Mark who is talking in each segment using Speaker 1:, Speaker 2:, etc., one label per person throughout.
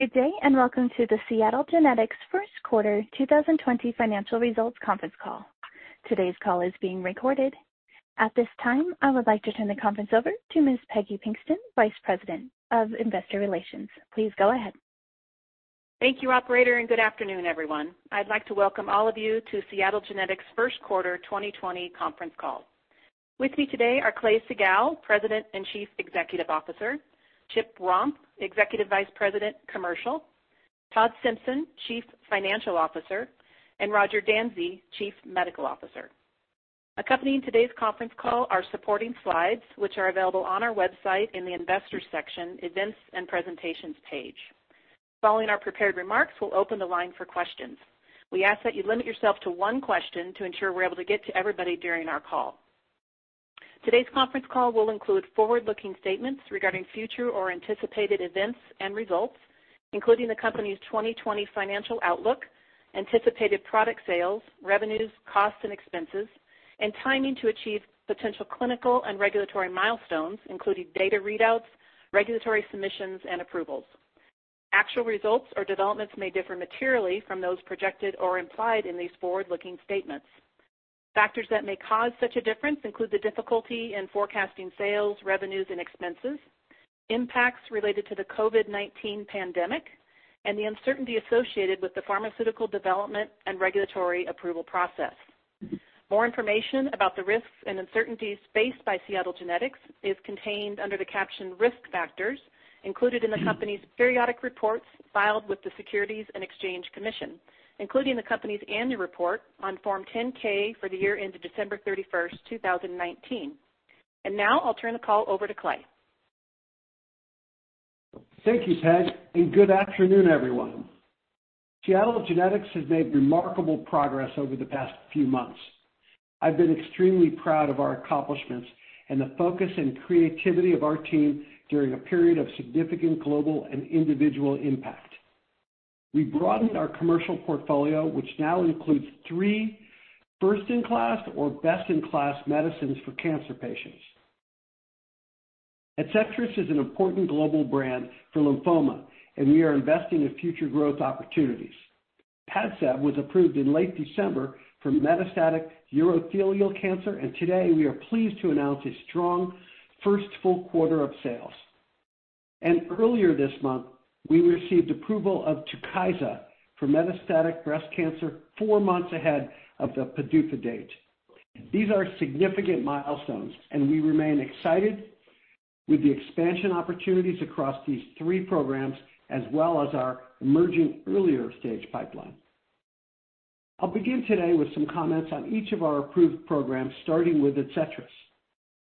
Speaker 1: Good day, welcome to the Seattle Genetics' first quarter 2020 financial results conference call. Today's call is being recorded. At this time, I would like to turn the conference over to Ms. Peggy Pinkston, Vice President of Investor Relations. Please go ahead.
Speaker 2: Thank you, operator, and good afternoon, everyone. I'd like to welcome all of you to Seattle Genetics' first quarter 2020 conference call. With me today are Clay Siegall, President and Chief Executive Officer, Chip Romp, Executive Vice President, Commercial, Todd Simpson, Chief Financial Officer, and Roger Dansey, Chief Medical Officer. Accompanying today's conference call are supporting slides, which are available on our website in the Investors section, Events and Presentations page. Following our prepared remarks, we'll open the line for questions. We ask that you limit yourself to one question to ensure we're able to get to everybody during our call. Today's conference call will include forward-looking statements regarding future or anticipated events and results, including the company's 2020 financial outlook, anticipated product sales, revenues, costs, and expenses, and timing to achieve potential clinical and regulatory milestones, including data readouts, regulatory submissions, and approvals. Actual results or developments may differ materially from those projected or implied in these forward-looking statements. Factors that may cause such a difference include the difficulty in forecasting sales, revenues, and expenses, impacts related to the COVID-19 pandemic, and the uncertainty associated with the pharmaceutical development and regulatory approval process. More information about the risks and uncertainties faced by Seattle Genetics is contained under the caption Risk Factors included in the company's periodic reports filed with the Securities and Exchange Commission, including the company's annual report on Form 10-K for the year ended December 31st, 2019. Now I'll turn the call over to Clay.
Speaker 3: Thank you, Peg. Good afternoon, everyone. Seattle Genetics has made remarkable progress over the past few months. I've been extremely proud of our accomplishments and the focus and creativity of our team during a period of significant global and individual impact. We broadened our commercial portfolio, which now includes three first-in-class or best-in-class medicines for cancer patients. ADCETRIS is an important global brand for lymphoma, and we are investing in future growth opportunities. PADCEV was approved in late December for metastatic urothelial cancer, and today we are pleased to announce a strong first full quarter of sales. Earlier this month, we received approval of TUKYSA for metastatic breast cancer, four months ahead of the PDUFA date. These are significant milestones, and we remain excited with the expansion opportunities across these three programs, as well as our emerging earlier-stage pipeline. I'll begin today with some comments on each of our approved programs, starting with ADCETRIS.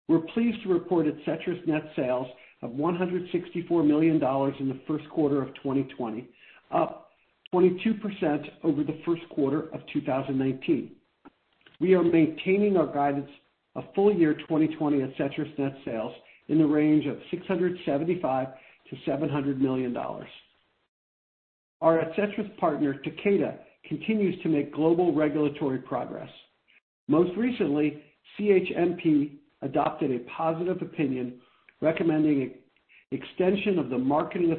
Speaker 3: We're pleased to report ADCETRIS net sales of $164 million in the first quarter of 2020, up 22% over the first quarter of 2019. We are maintaining our guidance of full-year 2020 ADCETRIS net sales in the range of $675 million-$700 million. Our ADCETRIS partner, Takeda, continues to make global regulatory progress. Most recently, CHMP adopted a positive opinion recommending extension of the marketing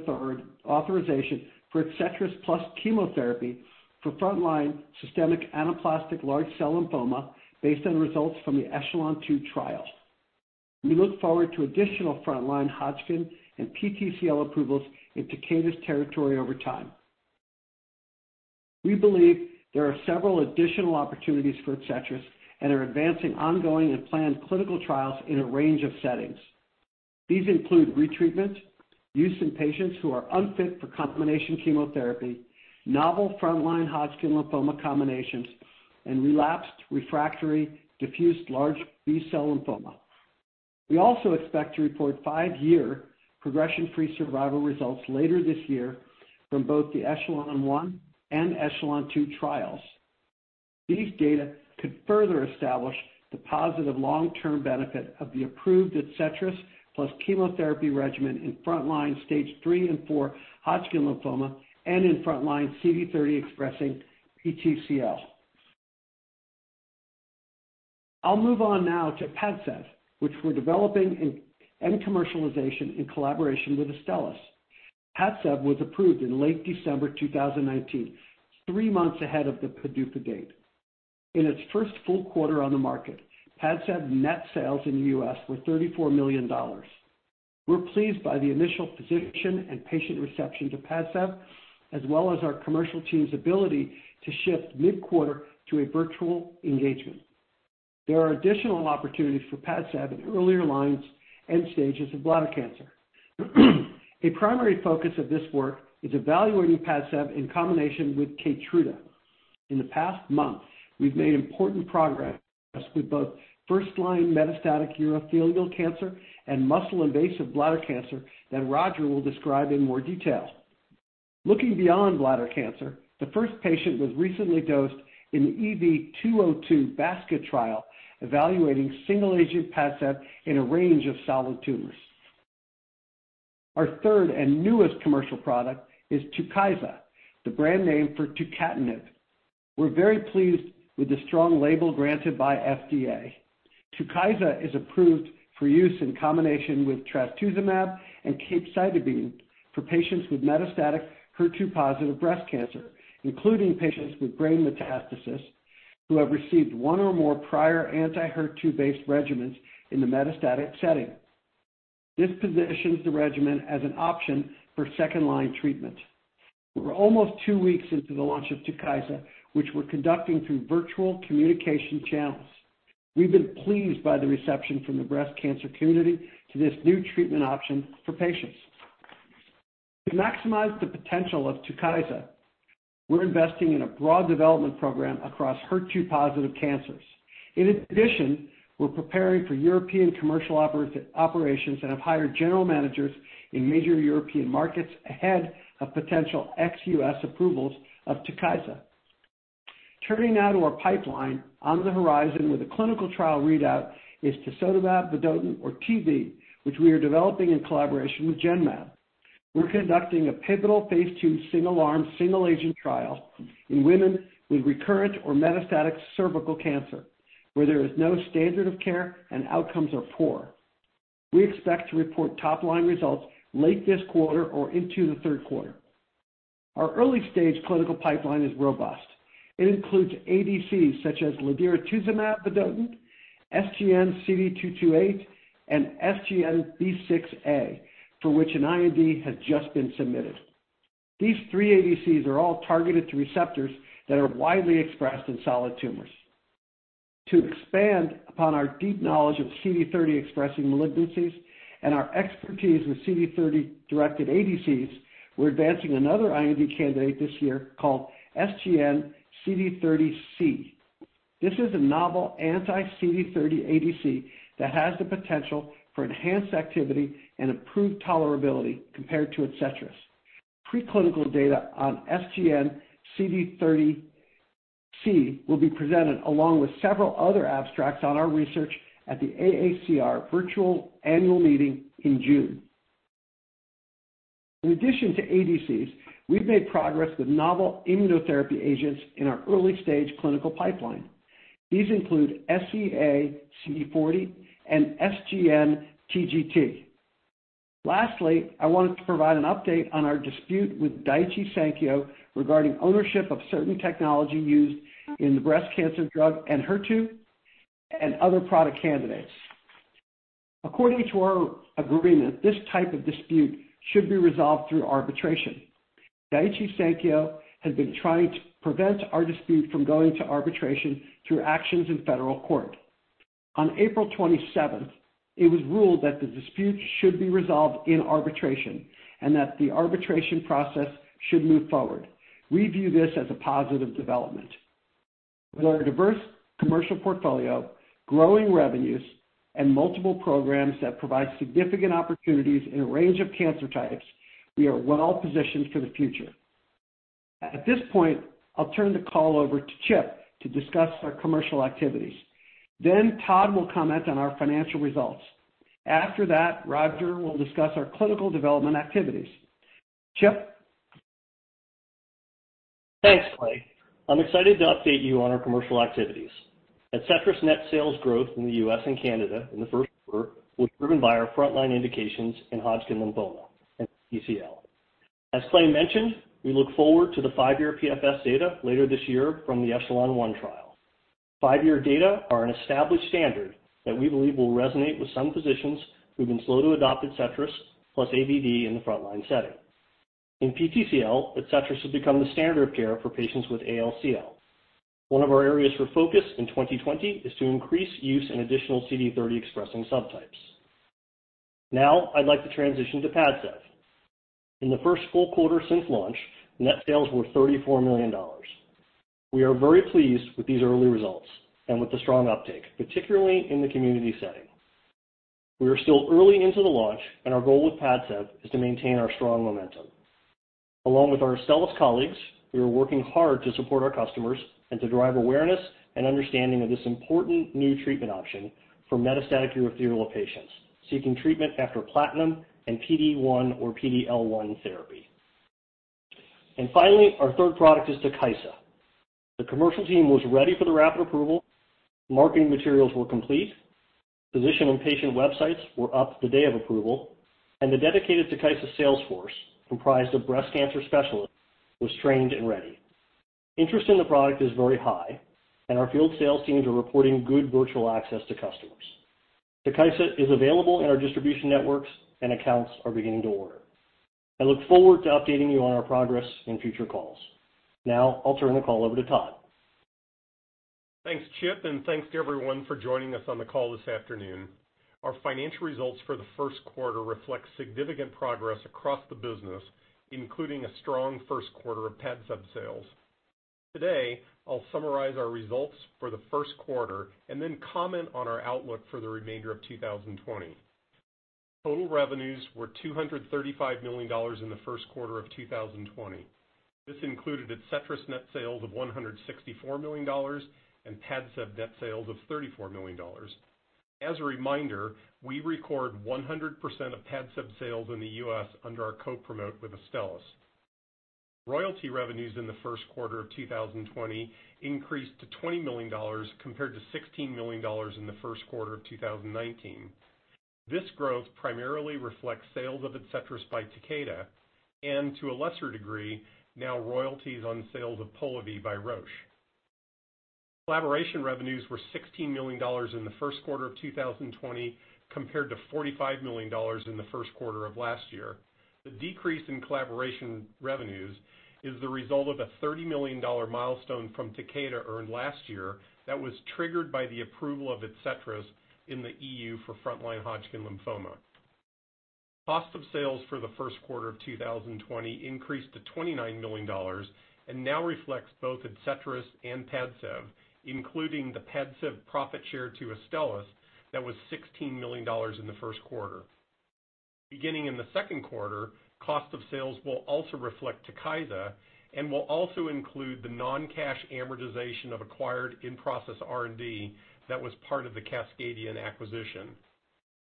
Speaker 3: authorization for ADCETRIS plus chemotherapy for frontline systemic anaplastic large cell lymphoma based on results from the ECHELON-2 trial. We look forward to additional frontline Hodgkin and PTCL approvals in Takeda's territory over time. We believe there are several additional opportunities for ADCETRIS and are advancing ongoing and planned clinical trials in a range of settings. These include retreatment, use in patients who are unfit for combination chemotherapy, novel frontline Hodgkin lymphoma combinations, and relapsed/refractory diffuse large B-cell lymphoma. We also expect to report five-year progression-free survival results later this year from both the ECHELON-1 and ECHELON-2 trials. These data could further establish the positive long-term benefit of the approved ADCETRIS plus chemotherapy regimen in frontline Stage III and IV Hodgkin lymphoma and in frontline CD30-expressing PTCL. I'll move on now to PADCEV, which we're developing and commercialization in collaboration with Astellas. PADCEV was approved in late December 2019, three months ahead of the PDUFA date. In its first full quarter on the market, PADCEV net sales in the U.S. were $34 million. We're pleased by the initial physician and patient reception to PADCEV, as well as our commercial team's ability to shift mid-quarter to a virtual engagement. There are additional opportunities for PADCEV in earlier lines and stages of bladder cancer. A primary focus of this work is evaluating PADCEV in combination with KEYTRUDA. In the past month, we've made important progress with both first-line metastatic urothelial cancer and muscle-invasive bladder cancer that Roger will describe in more detail. Looking beyond bladder cancer, the first patient was recently dosed in the EV-202 basket trial evaluating single-agent PADCEV in a range of solid tumors. Our third and newest commercial product is TUKYSA, the brand name for tucatinib. We're very pleased with the strong label granted by FDA. TUKYSA is approved for use in combination with trastuzumab and capecitabine for patients with metastatic HER2-positive breast cancer, including patients with brain metastasis who have received one or more prior anti-HER2-based regimens in the metastatic setting. This positions the regimen as an option for second-line treatment. We're almost two weeks into the launch of TUKYSA, which we're conducting through virtual communication channels. We've been pleased by the reception from the breast cancer community to this new treatment option for patients. To maximize the potential of TUKYSA, we're investing in a broad development program across HER2-positive cancers. We're preparing for European commercial operations and have hired general managers in major European markets ahead of potential ex-U.S. approvals of TUKYSA. Turning now to our pipeline, on the horizon with a clinical trial readout is tisotumab vedotin, or TV, which we are developing in collaboration with Genmab. We're conducting a pivotal phase II single-arm, single-agent trial in women with recurrent or metastatic cervical cancer, where there is no standard of care and outcomes are poor. We expect to report top-line results late this quarter or into the third quarter. Our early-stage clinical pipeline is robust. It includes ADCs such as ladiratuzumab vedotin, SGN-CD228, and SGN-B6A, for which an IND has just been submitted. These three ADCs are all targeted to receptors that are widely expressed in solid tumors. To expand upon our deep knowledge of CD30-expressing malignancies and our expertise with CD30-directed ADCs, we're advancing another IND candidate this year called SGN-CD30C. This is a novel anti-CD30 ADC that has the potential for enhanced activity and improved tolerability compared to ADCETRIS. Preclinical data on SGN-CD30C will be presented along with several other abstracts on our research at the AACR Virtual Annual Meeting in June. In addition to ADCs, we've made progress with novel immunotherapy agents in our early-stage clinical pipeline. These include SEA-CD40 and SGN-TGT. Lastly, I wanted to provide an update on our dispute with Daiichi Sankyo regarding ownership of certain technology used in the breast cancer drug ENHERTU and other product candidates. According to our agreement, this type of dispute should be resolved through arbitration. Daiichi Sankyo has been trying to prevent our dispute from going to arbitration through actions in federal court. On April 27th, it was ruled that the dispute should be resolved in arbitration and that the arbitration process should move forward. We view this as a positive development. With our diverse commercial portfolio, growing revenues, and multiple programs that provide significant opportunities in a range of cancer types, we are well-positioned for the future. At this point, I'll turn the call over to Chip to discuss our commercial activities. Todd will comment on our financial results. After that, Roger will discuss our clinical development activities. Chip?
Speaker 4: Thanks, Clay. I'm excited to update you on our commercial activities. ADCETRIS net sales growth in the U.S. and Canada in the first quarter was driven by our frontline indications in Hodgkin lymphoma and PTCL. As Clay mentioned, we look forward to the five-year PFS data later this year from the ECHELON-1 trial. Five-year data are an established standard that we believe will resonate with some physicians who've been slow to adopt ADCETRIS plus AVD in the frontline setting. In PTCL, ADCETRIS has become the standard of care for patients with ALCL. One of our areas for focus in 2020 is to increase use in additional CD30-expressing subtypes. I'd like to transition to PADCEV. In the first full quarter since launch, net sales were $34 million. We are very pleased with these early results and with the strong uptake, particularly in the community setting. We are still early into the launch. Our goal with PADCEV is to maintain our strong momentum. Along with our Astellas colleagues, we are working hard to support our customers and to drive awareness and understanding of this important new treatment option for metastatic urothelial patients seeking treatment after platinum and PD-1 or PD-L1 therapy. Finally, our third product is TUKYSA. The commercial team was ready for the rapid approval, marketing materials were complete, physician and patient websites were up the day of approval, and the dedicated TUKYSA sales force, comprised of breast cancer specialists, was trained and ready. Interest in the product is very high. Our field sales teams are reporting good virtual access to customers. TUKYSA is available in our distribution networks. Accounts are beginning to order. I look forward to updating you on our progress in future calls. Now I'll turn the call over to Todd.
Speaker 5: Thanks, Chip, thanks to everyone for joining us on the call this afternoon. Our financial results for the first quarter reflect significant progress across the business, including a strong first quarter of PADCEV sales. Today, I'll summarize our results for the first quarter and then comment on our outlook for the remainder of 2020. Total revenues were $235 million in the first quarter of 2020. This included ADCETRIS net sales of $164 million and PADCEV net sales of $34 million. As a reminder, we record 100% of PADCEV sales in the U.S. under our co-promote with Astellas. Royalty revenues in the first quarter of 2020 increased to $20 million compared to $16 million in the first quarter of 2019. This growth primarily reflects sales of ADCETRIS by Takeda and to a lesser degree, now royalties on sales of POLIVY by Roche. Collaboration revenues were $16 million in the first quarter of 2020, compared to $45 million in the first quarter of last year. The decrease in collaboration revenues is the result of a $30 million milestone from Takeda earned last year that was triggered by the approval of ADCETRIS in the EU for frontline Hodgkin lymphoma. Cost of sales for the first quarter of 2020 increased to $29 million and now reflects both ADCETRIS and PADCEV, including the PADCEV profit share to Astellas that was $16 million in the first quarter. Beginning in the second quarter, cost of sales will also reflect TUKYSA and will also include the non-cash amortization of acquired in-process R&D that was part of the Cascadian acquisition.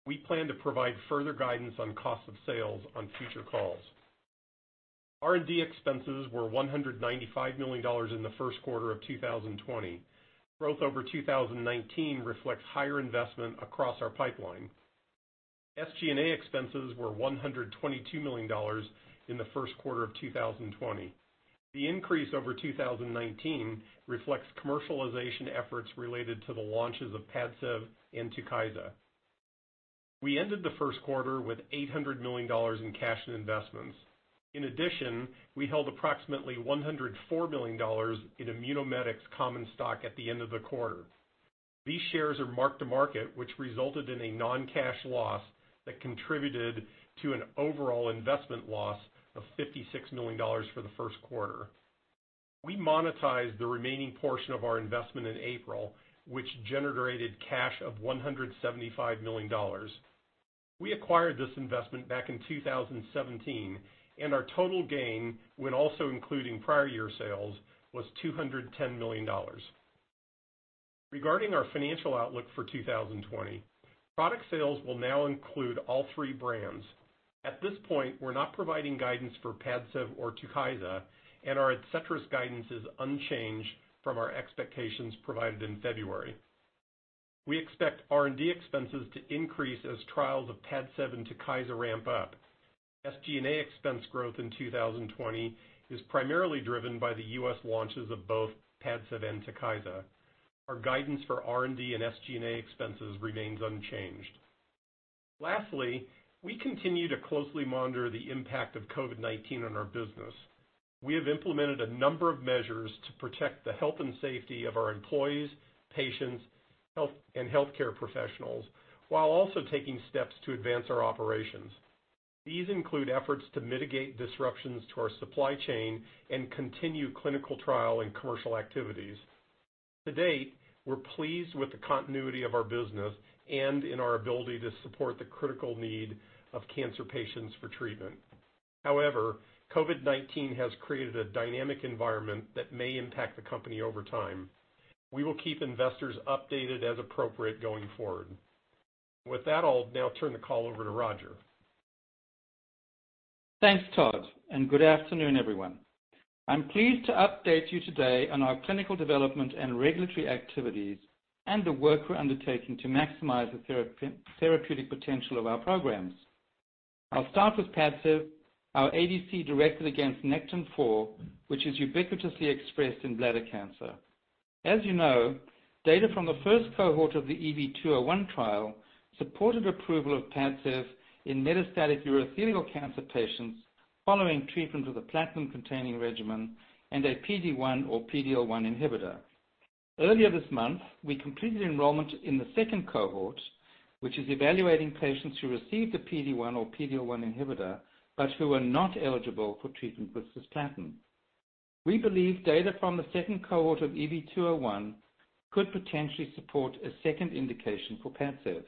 Speaker 5: We plan to provide further guidance on cost of sales on future calls. R&D expenses were $195 million in the first quarter of 2020. Growth over 2019 reflects higher investment across our pipeline. SG&A expenses were $122 million in the first quarter of 2020. The increase over 2019 reflects commercialization efforts related to the launches of PADCEV and TUKYSA. We ended the first quarter with $800 million in cash and investments. In addition, we held approximately $104 million in Immunomedics common stock at the end of the quarter. These shares are mark-to-market, which resulted in a non-cash loss that contributed to an overall investment loss of $56 million for the first quarter. We monetized the remaining portion of our investment in April, which generated cash of $175 million. We acquired this investment back in 2017, and our total gain, when also including prior year sales, was $210 million. Regarding our financial outlook for 2020, product sales will now include all three brands. At this point, we're not providing guidance for PADCEV or TUKYSA. Our ADCETRIS guidance is unchanged from our expectations provided in February. We expect R&D expenses to increase as trials of PADCEV and TUKYSA ramp up. SG&A expense growth in 2020 is primarily driven by the U.S. launches of both PADCEV and TUKYSA. Our guidance for R&D and SG&A expenses remains unchanged. Lastly, we continue to closely monitor the impact of COVID-19 on our business. We have implemented a number of measures to protect the health and safety of our employees, patients, and healthcare professionals, while also taking steps to advance our operations. These include efforts to mitigate disruptions to our supply chain and continue clinical trial and commercial activities. To date, we're pleased with the continuity of our business and in our ability to support the critical need of cancer patients for treatment. However, COVID-19 has created a dynamic environment that may impact the company over time. We will keep investors updated as appropriate going forward. With that, I'll now turn the call over to Roger.
Speaker 6: Thanks, Todd. Good afternoon, everyone. I'm pleased to update you today on our clinical development and regulatory activities and the work we're undertaking to maximize the therapeutic potential of our programs. I'll start with PADCEV, our ADC directed against Nectin-4, which is ubiquitously expressed in bladder cancer. As you know, data from the first cohort of the EV-201 trial supported approval of PADCEV in metastatic urothelial cancer patients following treatment with a platinum-containing regimen and a PD-1 or PD-L1 inhibitor. Earlier this month, we completed enrollment in the second cohort, which is evaluating patients who received a PD-1 or PD-L1 inhibitor, but who were not eligible for treatment with cisplatin. We believe data from the second cohort of EV-201 could potentially support a second indication for PADCEV.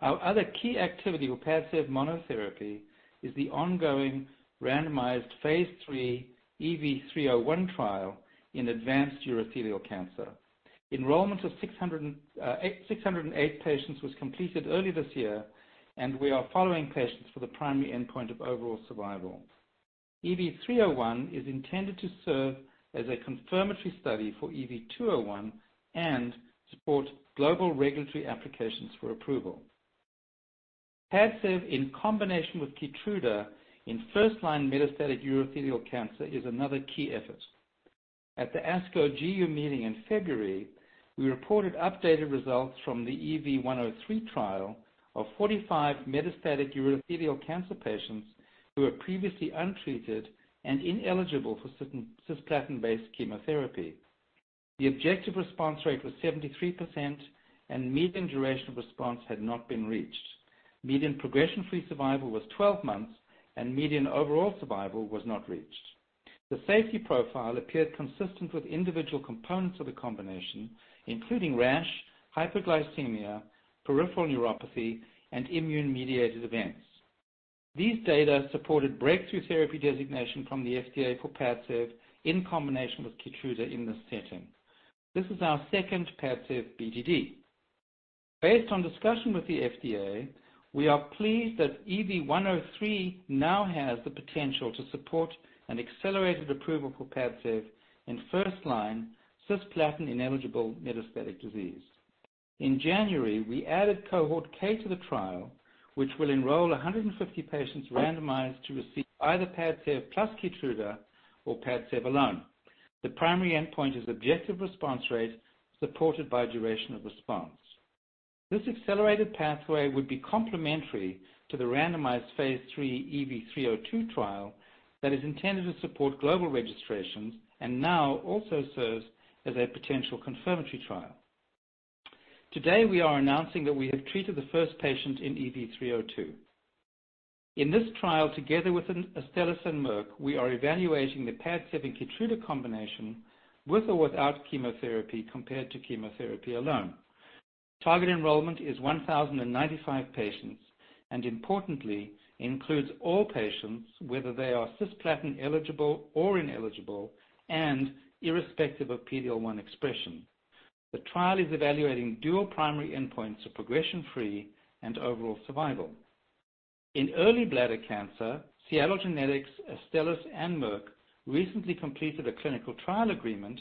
Speaker 6: Our other key activity with PADCEV monotherapy is the ongoing randomized phase III EV-301 trial in advanced urothelial cancer. Enrollment of 608 patients was completed early this year, and we are following patients for the primary endpoint of overall survival. EV-301 is intended to serve as a confirmatory study for EV-201 and support global regulatory applications for approval. PADCEV in combination with KEYTRUDA in first-line metastatic urothelial cancer is another key effort. At the ASCO GU meeting in February, we reported updated results from the EV-103 trial of 45 metastatic urothelial cancer patients who were previously untreated and ineligible for cisplatin-based chemotherapy. The objective response rate was 73%, and median duration of response had not been reached. Median progression-free survival was 12 months, and median overall survival was not reached. The safety profile appeared consistent with individual components of the combination, including rash, hyperglycemia, peripheral neuropathy, and immune-mediated events. These data supported Breakthrough Therapy designation from the FDA for PADCEV in combination with KEYTRUDA in this setting. This is our second PADCEV BTD. Based on discussion with the FDA, we are pleased that EV-103 now has the potential to support an accelerated approval for PADCEV in first-line cisplatin-ineligible metastatic disease. In January, we added cohort K to the trial, which will enroll 150 patients randomized to receive either PADCEV plus KEYTRUDA or PADCEV alone. The primary endpoint is objective response rate supported by duration of response. This accelerated pathway would be complementary to the randomized phase III EV-302 trial that is intended to support global registrations and now also serves as a potential confirmatory trial. Today, we are announcing that we have treated the first patient in EV-302. In this trial, together with Astellas and Merck, we are evaluating the PADCEV and KEYTRUDA combination with or without chemotherapy compared to chemotherapy alone. Target enrollment is 1,095 patients. Importantly, includes all patients whether they are cisplatin-eligible or ineligible and irrespective of PD-L1 expression. The trial is evaluating dual primary endpoints of progression-free and overall survival. In early bladder cancer, Seattle Genetics, Astellas, and Merck recently completed a clinical trial agreement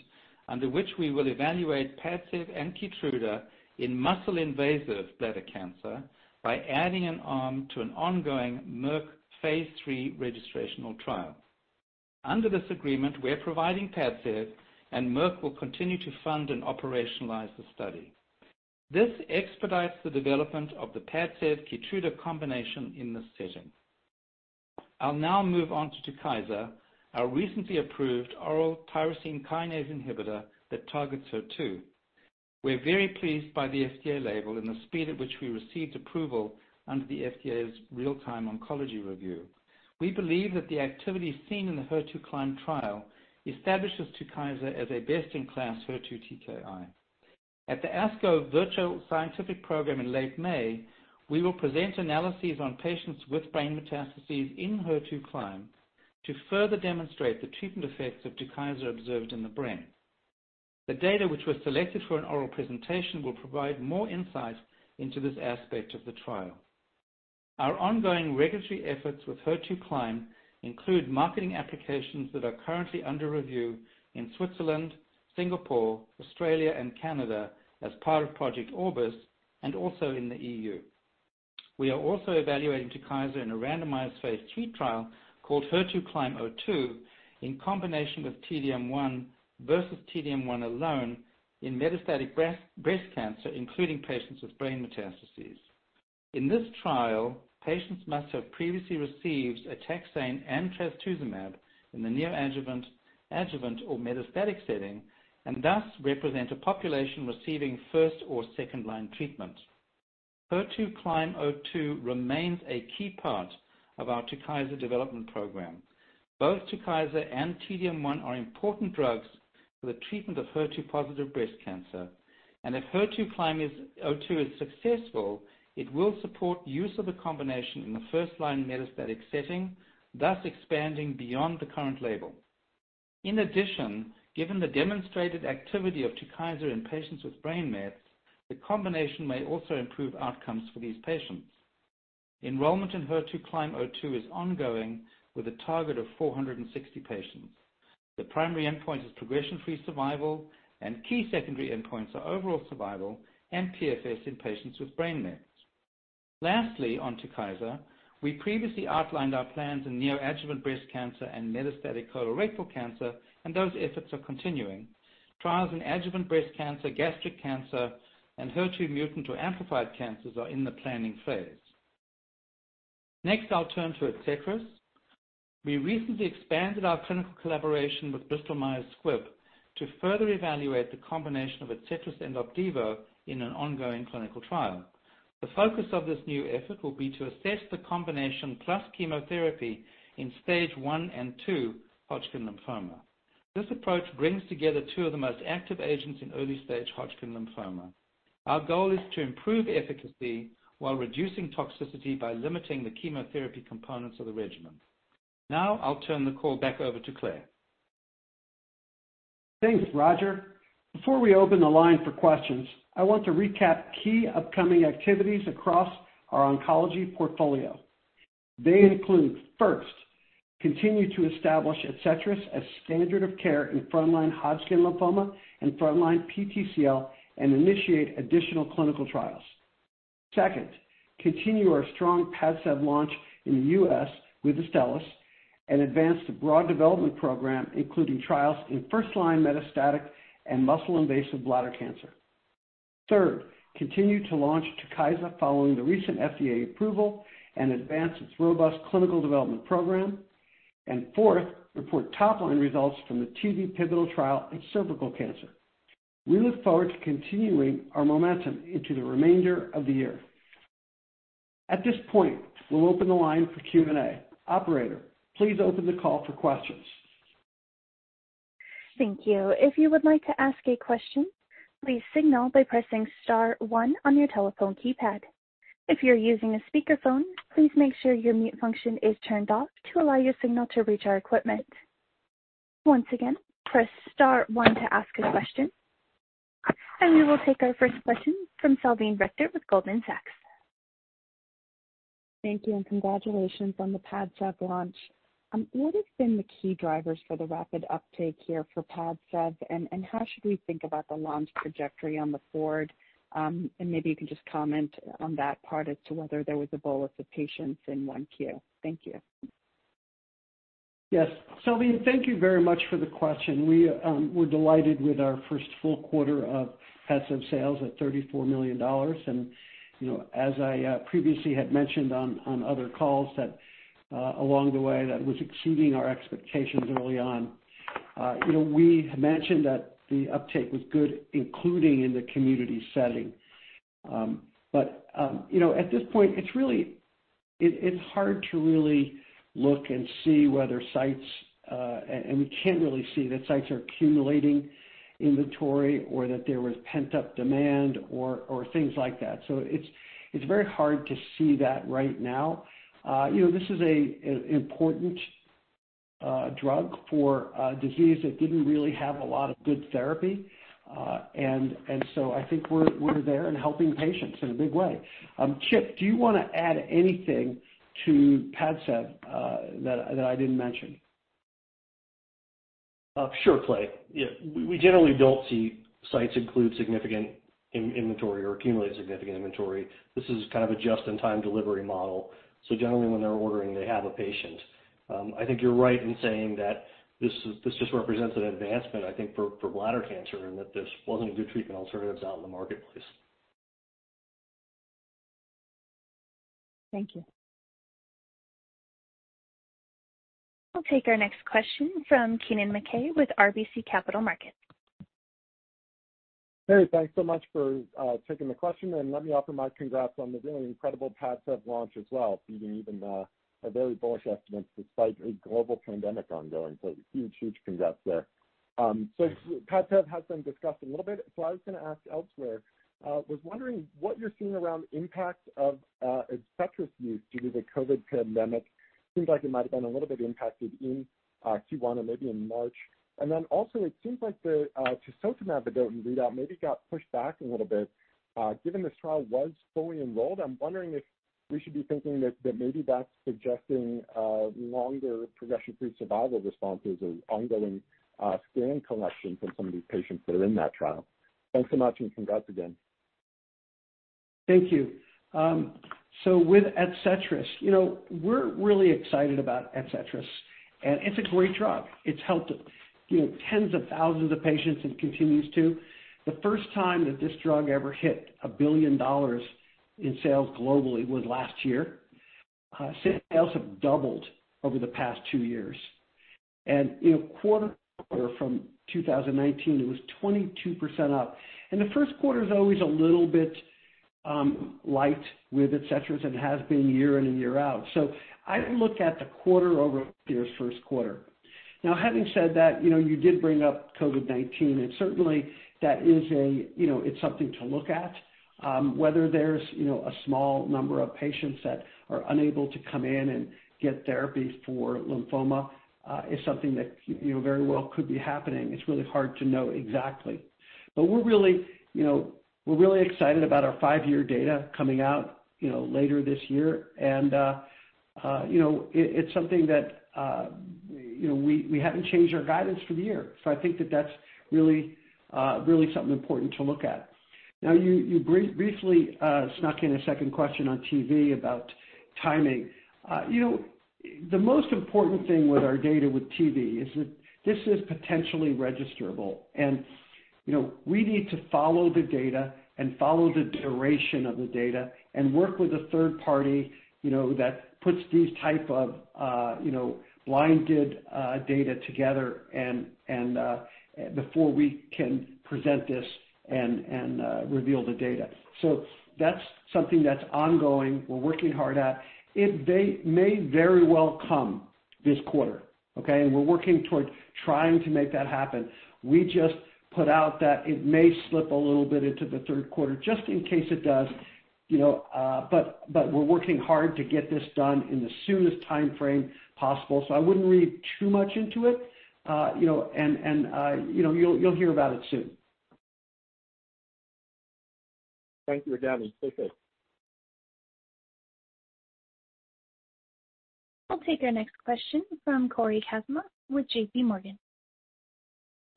Speaker 6: under which we will evaluate PADCEV and KEYTRUDA in muscle-invasive bladder cancer by adding an arm to an ongoing Merck phase III registrational trial. Under this agreement, we're providing PADCEV, and Merck will continue to fund and operationalize the study. This expedites the development of the PADCEV/KEYTRUDA combination in this setting. I'll now move on to TUKYSA, our recently approved oral tyrosine kinase inhibitor that targets HER2. We're very pleased by the FDA label and the speed at which we received approval under the FDA's Real-Time Oncology Review. We believe that the activity seen in the HER2CLIMB trial establishes TUKYSA as a best-in-class HER2 TKI. At the ASCO Virtual Scientific Program in late May, we will present analyses on patients with brain metastases in HER2CLIMB to further demonstrate the treatment effects of TUKYSA observed in the brain. The data which was selected for an oral presentation will provide more insight into this aspect of the trial. Our ongoing regulatory efforts with HER2CLIMB include marketing applications that are currently under review in Switzerland, Singapore, Australia, and Canada as part of Project Orbis, and also in the EU. We are also evaluating TUKYSA in a randomized phase III trial called HER2CLIMB-02 in combination with T-DM1 versus T-DM1 alone in metastatic breast cancer, including patients with brain metastases. In this trial, patients must have previously received a taxane and trastuzumab in the neoadjuvant, adjuvant, or metastatic setting, and thus represent a population receiving first or second-line treatment. HER2CLIMB-02 remains a key part of our TUKYSA development program. Both TUKYSA and T-DM1 are important drugs for the treatment of HER2-positive breast cancer, and if HER2CLIMB-02 is successful, it will support use of the combination in the first-line metastatic setting, thus expanding beyond the current label. In addition, given the demonstrated activity of TUKYSA in patients with brain mets, the combination may also improve outcomes for these patients. Enrollment in HER2CLIMB-02 is ongoing with a target of 460 patients. The primary endpoint is progression-free survival, and key secondary endpoints are overall survival and PFS in patients with brain mets. Lastly, on TUKYSA, we previously outlined our plans in neoadjuvant breast cancer and metastatic colorectal cancer, and those efforts are continuing. Trials in adjuvant breast cancer, gastric cancer, and HER2 mutant or amplified cancers are in the planning phase. Next, I'll turn to ADCETRIS. We recently expanded our clinical collaboration with Bristol Myers Squibb to further evaluate the combination of ADCETRIS and OPDIVO in an ongoing clinical trial. The focus of this new effort will be to assess the combination plus chemotherapy in Stage I and II Hodgkin lymphoma. This approach brings together two of the most active agents in early-stage Hodgkin lymphoma. Our goal is to improve efficacy while reducing toxicity by limiting the chemotherapy components of the regimen. Now, I'll turn the call back over to Clay.
Speaker 3: Thanks, Roger. Before we open the line for questions, I want to recap key upcoming activities across our oncology portfolio. They include, first, continue to establish ADCETRIS as standard of care in frontline Hodgkin lymphoma and frontline PTCL and initiate additional clinical trials. Second, continue our strong PADCEV launch in the U.S. with Astellas and advance the broad development program, including trials in first-line metastatic and muscle-invasive bladder cancer. Third, continue to launch TUKYSA following the recent FDA approval and advance its robust clinical development program. Fourth, report top-line results from the TV pivotal trial in cervical cancer. We look forward to continuing our momentum into the remainder of the year. At this point, we'll open the line for Q&A. Operator, please open the call for questions.
Speaker 1: Thank you. If you would like to ask a question, please signal by pressing star one on your telephone keypad. If you're using a speakerphone, please make sure your mute function is turned off to allow your signal to reach our equipment. Once again, press star one to ask a question. We will take our first question from Salveen Richter with Goldman Sachs.
Speaker 7: Thank you. Congratulations on the PADCEV launch. What have been the key drivers for the rapid uptake here for PADCEV? How should we think about the launch trajectory on the forward? Maybe you can just comment on that part as to whether there was a bolus of patients in 1Q. Thank you.
Speaker 3: Yes. Salveen, thank you very much for the question. We're delighted with our first full quarter of PADCEV sales at $34 million. As I previously had mentioned on other calls that along the way, that was exceeding our expectations early on. We mentioned that the uptake was good, including in the community setting. At this point, it's hard to really look and see we can't really see that sites are accumulating inventory or that there was pent-up demand or things like that. It's very hard to see that right now. This is an important drug for a disease that didn't really have a lot of good therapy. I think we're there and helping patients in a big way. Chip, do you want to add anything to PADCEV that I didn't mention?
Speaker 4: Sure, Clay. We generally don't see sites include significant inventory or accumulate significant inventory. This is kind of a just-in-time delivery model. Generally, when they're ordering, they have a patient. I think you're right in saying that this just represents an advancement, I think, for bladder cancer, and that there wasn't a good treatment alternatives out in the marketplace.
Speaker 7: Thank you.
Speaker 1: I'll take our next question from Kennen MacKay with RBC Capital Markets.
Speaker 8: Hey, thanks so much for taking the question, and let me offer my congrats on the really incredible PADCEV launch as well, beating even our very bullish estimates despite a global COVID-19 pandemic ongoing. Huge congrats there. PADCEV has been discussed a little bit, so I was going to ask elsewhere. Was wondering what you're seeing around impact of ADCETRIS use due to the COVID-19 pandemic. Seems like it might've been a little bit impacted in Q1 and maybe in March. Also, it seems like the tisotumab vedotin readout maybe got pushed back a little bit. Given this trial was fully enrolled, I'm wondering if we should be thinking that maybe that's suggesting longer progression-free survival responses or ongoing scan collection from some of these patients that are in that trial. Thanks so much, and congrats again.
Speaker 3: Thank you. With ADCETRIS, we're really excited about ADCETRIS, and it's a great drug. It's helped tens of thousands of patients and continues to. The first time that this drug ever hit $1 billion in sales globally was last year. Sales have doubled over the past two years. Quarter from 2019, it was 22% up. The first quarter is always a little bit light with ADCETRIS and has been year in and year out. I look at the quarter over last year's first quarter. Now, having said that, you did bring up COVID-19, and certainly, that is something to look at. Whether there's a small number of patients that are unable to come in and get therapy for lymphoma is something that very well could be happening. It's really hard to know exactly. We're really excited about our five-year data coming out later this year. It's something that we haven't changed our guidance for the year. I think that that's really something important to look at. Now, you briefly snuck in a second question on TV about timing. The most important thing with our data with TV is that this is potentially registerable, and we need to follow the data and follow the duration of the data and work with a third party that puts these type of blinded data together before we can present this and reveal the data. That's something that's ongoing, we're working hard at. It may very well come this quarter, okay. We're working toward trying to make that happen. We just put out that it may slip a little bit into the third quarter, just in case it does. We're working hard to get this done in the soonest timeframe possible, so I wouldn't read too much into it. You'll hear about it soon.
Speaker 8: Thank you again, and take care.
Speaker 1: I'll take our next question from Cory Kasimov with JPMorgan.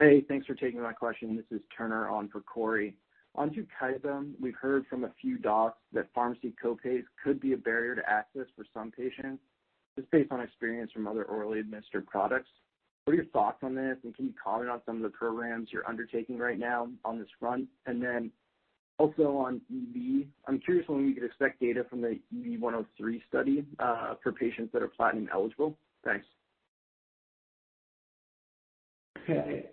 Speaker 9: Hey, thanks for taking my question. This is Turner on for Cory. On TUKYSA, we've heard from a few docs that pharmacy copays could be a barrier to access for some patients. Just based on experience from other orally administered products. What are your thoughts on this, and can you comment on some of the programs you're undertaking right now on this front? Also on EV, I'm curious when we could expect data from the EV-103 study for patients that are cisplatin-eligible. Thanks.
Speaker 3: Okay.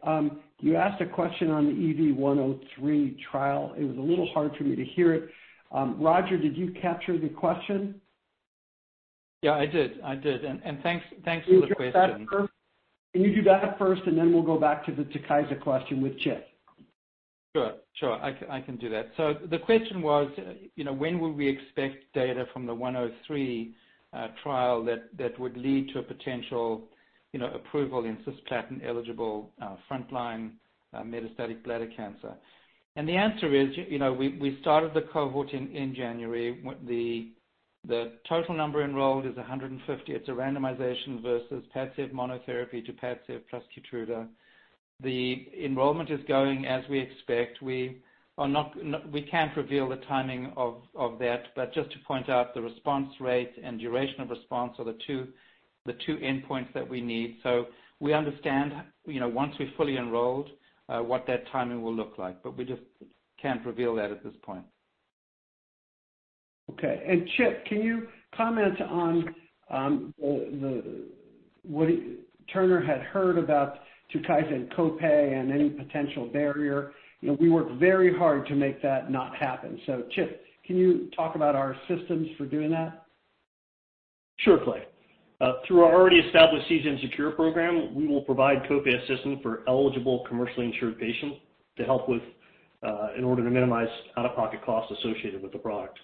Speaker 3: You asked a question on the EV-103 trial. It was a little hard for me to hear it. Roger, did you capture the question?
Speaker 6: Yeah, I did. Thanks for the question.
Speaker 3: Can you do that first? Then we'll go back to the TUKYSA question with Chip.
Speaker 6: Sure. I can do that. The question was, when will we expect data from the EV-103 trial that would lead to a potential approval in cisplatin-eligible frontline metastatic bladder cancer? The answer is, we started the cohort in January. The total number enrolled is 150. It's a randomization versus PADCEV monotherapy to PADCEV plus KEYTRUDA. The enrollment is going as we expect. We can't reveal the timing of that, but just to point out the response rate and duration of response are the two endpoints that we need. We understand, once we've fully enrolled, what that timing will look like. We just can't reveal that at this point.
Speaker 3: Okay. Chip, can you comment on what Turner had heard about TUKYSA and copay and any potential barrier? We work very hard to make that not happen. Chip, can you talk about our systems for doing that?
Speaker 4: Sure, Clay. Through our already established SeaGen Secure program, we will provide copay assistance for eligible commercially insured patients in order to minimize out-of-pocket costs associated with the product.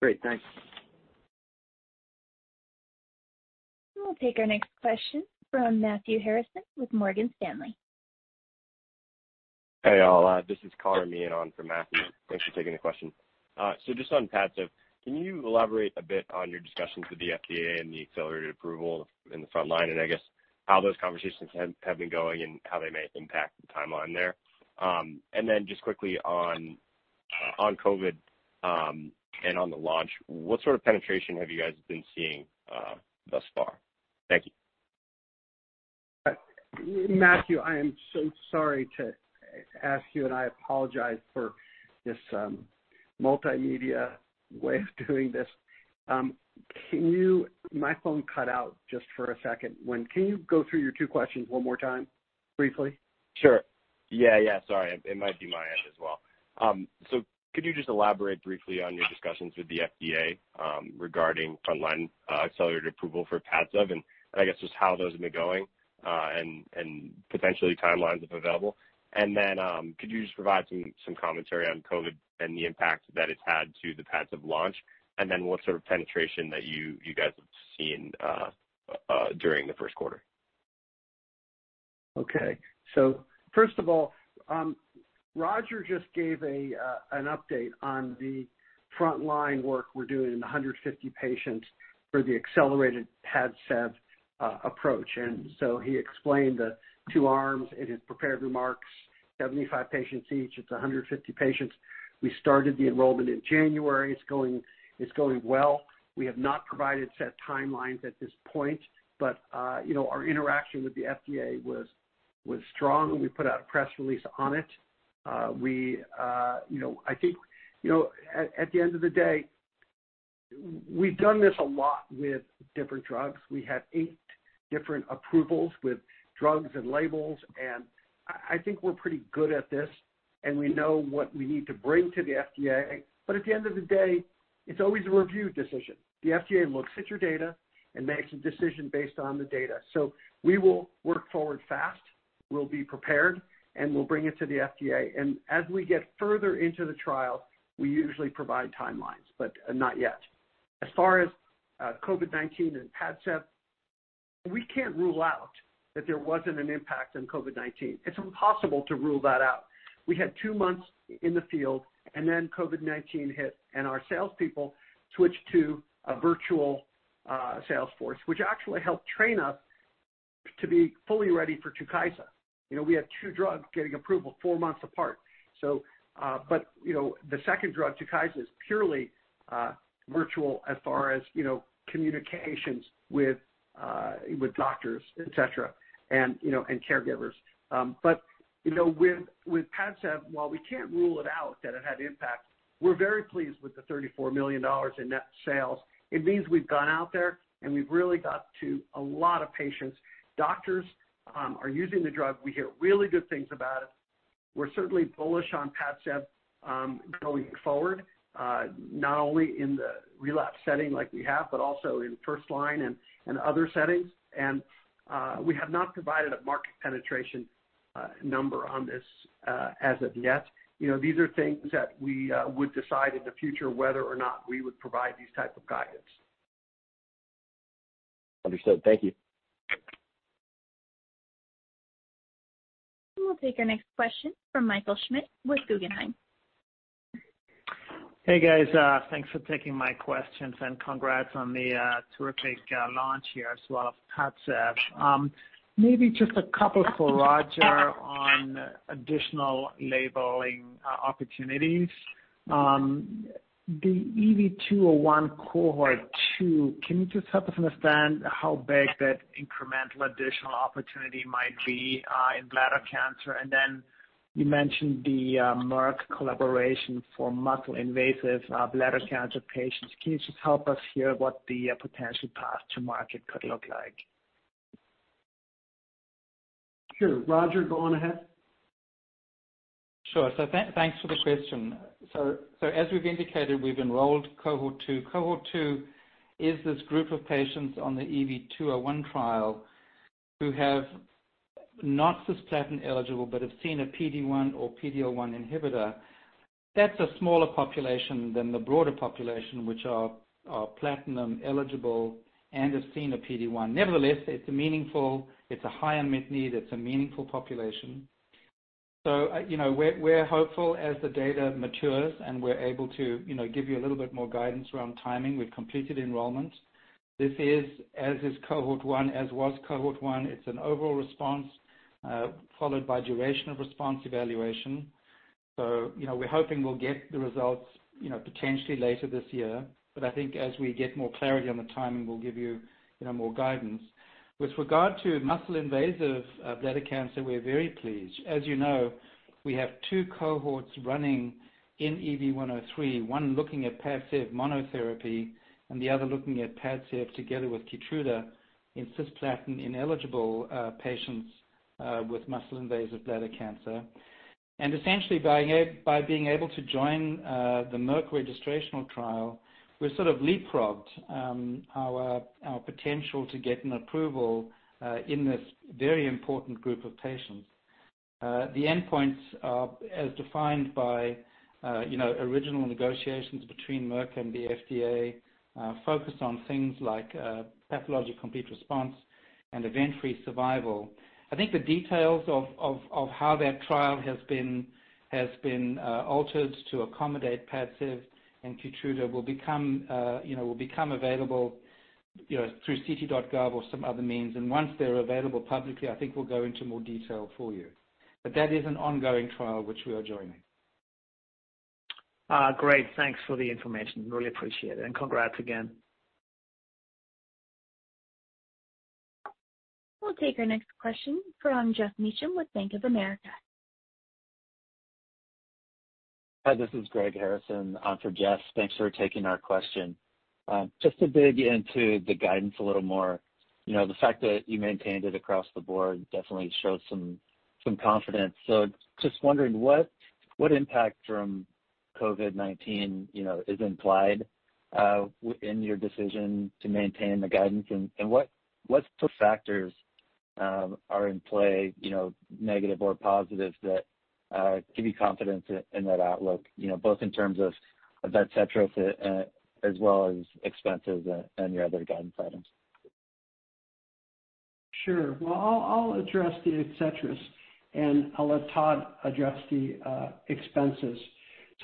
Speaker 9: Great, thanks.
Speaker 1: We'll take our next question from Matthew Harrison with Morgan Stanley.
Speaker 10: Hey, y'all. This is Connor Meehan on for Matthew. Thanks for taking the question. Just on PADCEV, can you elaborate a bit on your discussions with the FDA and the accelerated approval in the front line, and I guess how those conversations have been going and how they may impact the timeline there? Just quickly on COVID and on the launch, what sort of penetration have you guys been seeing thus far? Thank you.
Speaker 3: Matthew, I am so sorry to ask you, and I apologize for this multimedia way of doing this. My phone cut out just for a second. Can you go through your two questions one more time, briefly?
Speaker 10: Sure. Yeah. Sorry. It might be my end as well. Could you just elaborate briefly on your discussions with the FDA regarding frontline accelerated approval for PADCEV, and I guess just how those have been going and potentially timelines, if available? Could you just provide some commentary on COVID and the impact that it's had to the PADCEV launch, and then what sort of penetration that you guys have seen during the first quarter?
Speaker 3: First of all, Roger just gave an update on the frontline work we're doing in 150 patients for the accelerated PADCEV approach. He explained the two arms in his prepared remarks, 75 patients each. It's 150 patients. We started the enrollment in January. It's going well. We have not provided set timelines at this point. Our interaction with the FDA was strong, and we put out a press release on it. I think at the end of the day, we've done this a lot with different drugs. We have eight different approvals with drugs and labels, and I think we're pretty good at this, and we know what we need to bring to the FDA. At the end of the day, it's always a review decision. The FDA looks at your data and makes a decision based on the data. We will work forward fast, we'll be prepared, and we'll bring it to the FDA. As we get further into the trial, we usually provide timelines, but not yet. As far as COVID-19 and PADCEV, we can't rule out that there wasn't an impact on COVID-19. It's impossible to rule that out. We had two months in the field, and then COVID-19 hit, and our salespeople switched to a virtual sales force, which actually helped train us to be fully ready for TUKYSA. We have two drugs getting approval four months apart. The second drug, TUKYSA, is purely virtual as far as communications with doctors, et cetera, and caregivers. With PADCEV, while we can't rule it out that it had impact, we're very pleased with the $34 million in net sales. It means we've gone out there, and we've really got to a lot of patients. Doctors are using the drug. We hear really good things about it. We're certainly bullish on PADCEV going forward, not only in the relapse setting like we have, but also in first line and other settings. We have not provided a market penetration number on this as of yet. These are things that we would decide in the future whether or not we would provide these type of guidance.
Speaker 10: Understood. Thank you.
Speaker 1: We'll take our next question from Michael Schmidt with Guggenheim.
Speaker 11: Hey, guys. Thanks for taking my questions and congrats on the terrific launch here as well of PADCEV. Maybe just a couple for Roger on additional labeling opportunities. The EV-201 cohort 2, can you just help us understand how big that incremental additional opportunity might be in bladder cancer? You mentioned the Merck collaboration for muscle-invasive bladder cancer patients. Can you just help us here what the potential path to market could look like?
Speaker 3: Sure. Roger, go on ahead.
Speaker 6: Sure. Thanks for the question. As we've indicated, we've enrolled cohort 2. Cohort 2 is this group of patients on the EV-201 trial who have, not cisplatin-eligible, but have seen a PD-1 or PD-L1 inhibitor. That's a smaller population than the broader population, which are platinum eligible and have seen a PD-1. Nevertheless, it's meaningful. It's a high unmet need. It's a meaningful population. We're hopeful as the data matures and we're able to give you a little bit more guidance around timing. We've completed enrollment. This is, as was cohort 1, it's an overall response, followed by duration of response evaluation. We're hoping we'll get the results potentially later this year. I think as we get more clarity on the timing, we'll give you more guidance. With regard to muscle-invasive bladder cancer, we're very pleased. As you know, we have two cohorts running in EV-103, one looking at PADCEV monotherapy and the other looking at PADCEV together with KEYTRUDA in cisplatin-ineligible patients with muscle-invasive bladder cancer. Essentially, by being able to join the Merck registrational trial, we sort of leapfrogged our potential to get an approval in this very important group of patients. The endpoints are as defined by original negotiations between Merck and the FDA, focused on things like pathologic complete response and event-free survival. I think the details of how that trial has been altered to accommodate PADCEV and KEYTRUDA will become available through clinicaltrials.gov or some other means. Once they're available publicly, I think we'll go into more detail for you. That is an ongoing trial which we are joining.
Speaker 11: Great. Thanks for the information. Really appreciate it, and congrats again.
Speaker 1: We'll take our next question from Geoff Meacham with Bank of America.
Speaker 12: Hi, this is Greg Harrison on for Geoff. Thanks for taking our question. Just to dig into the guidance a little more. The fact that you maintained it across the board definitely showed some confidence. Just wondering what impact from COVID-19 is implied in your decision to maintain the guidance, and what factors are in play, negative or positive, that give you confidence in that outlook, both in terms of ADCETRIS as well as expenses and your other guidance items?
Speaker 3: Sure. Well, I'll address the ADCETRIS, and I'll let Todd address the expenses.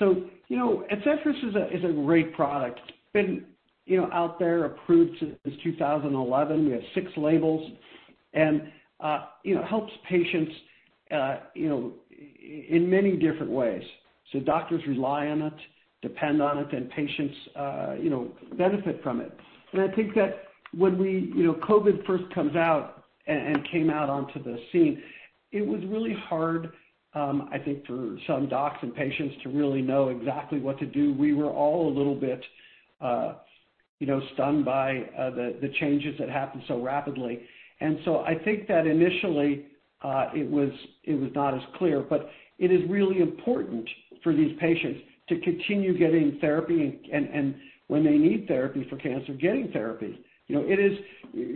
Speaker 3: ADCETRIS is a great product. It's been out there, approved since 2011. We have six labels, and it helps patients in many different ways. Doctors rely on it, depend on it, and patients benefit from it. I think that when COVID first comes out, and came out onto the scene, it was really hard, I think, for some docs and patients to really know exactly what to do. We were all a little bit stunned by the changes that happened so rapidly. I think that initially, it was not as clear, but it is really important for these patients to continue getting therapy and when they need therapy for cancer, getting therapy. It is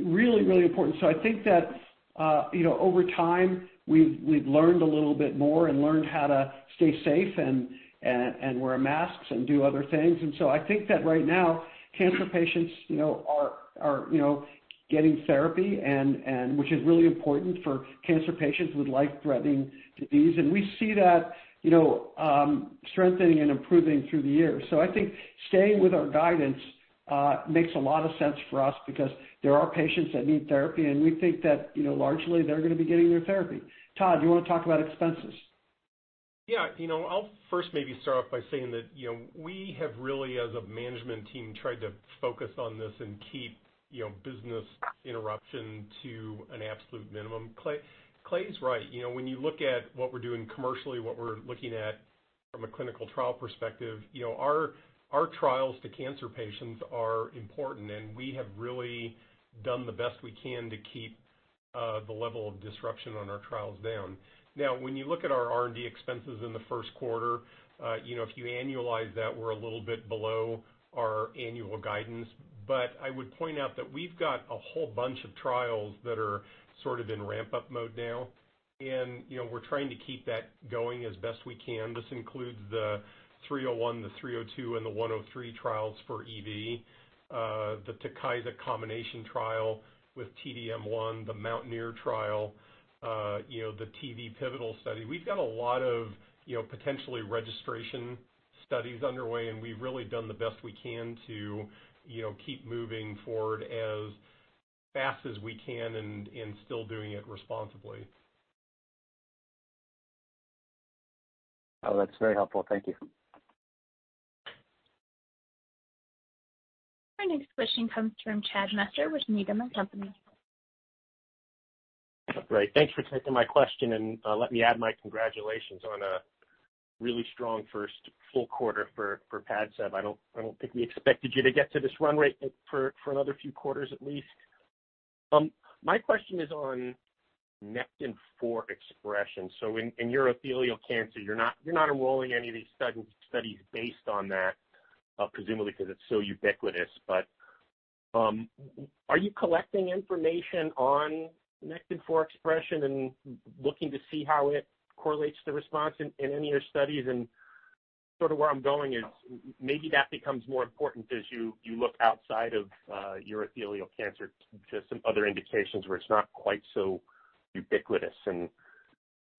Speaker 3: really important. I think that over time, we've learned a little bit more and learned how to stay safe and wear masks and do other things. I think that right now, cancer patients are getting therapy, which is really important for cancer patients with life-threatening disease. We see that strengthening and improving through the year. I think staying with our guidance makes a lot of sense for us because there are patients that need therapy, and we think that largely they're going to be getting their therapy. Todd, you want to talk about expenses?
Speaker 5: Yeah. I'll first maybe start off by saying that we have really, as a management team, tried to focus on this and keep business interruption to an absolute minimum. Clay is right. When you look at what we're doing commercially, what we're looking at from a clinical trial perspective, our trials to cancer patients are important, and we have really done the best we can to keep the level of disruption on our trials down. When you look at our R&D expenses in the first quarter, if you annualize that, we're a little bit below our annual guidance. I would point out that we've got a whole bunch of trials that are sort of in ramp-up mode now, and we're trying to keep that going as best we can. This includes the 301, the 302, and the 103 trials for EV, the TUKYSA combination trial with T-DM1, the MOUNTAINEER trial, the TV pivotal study. We've got a lot of potentially registration studies underway, we've really done the best we can to keep moving forward as fast as we can and still doing it responsibly.
Speaker 12: Oh, that's very helpful. Thank you.
Speaker 1: Our next question comes from Chad Messer with Needham & Company.
Speaker 13: Great. Thanks for taking my question. Let me add my congratulations on a really strong first full quarter for PADCEV. I don't think we expected you to get to this run rate for another few quarters, at least. My question is on Nectin-4 expression. In urothelial cancer, you're not enrolling any of these studies based on that, presumably because it's so ubiquitous. Are you collecting information on Nectin-4 expression and looking to see how it correlates the response in any of your studies? Sort of where I'm going is maybe that becomes more important as you look outside of urothelial cancer to some other indications where it's not quite so ubiquitous, and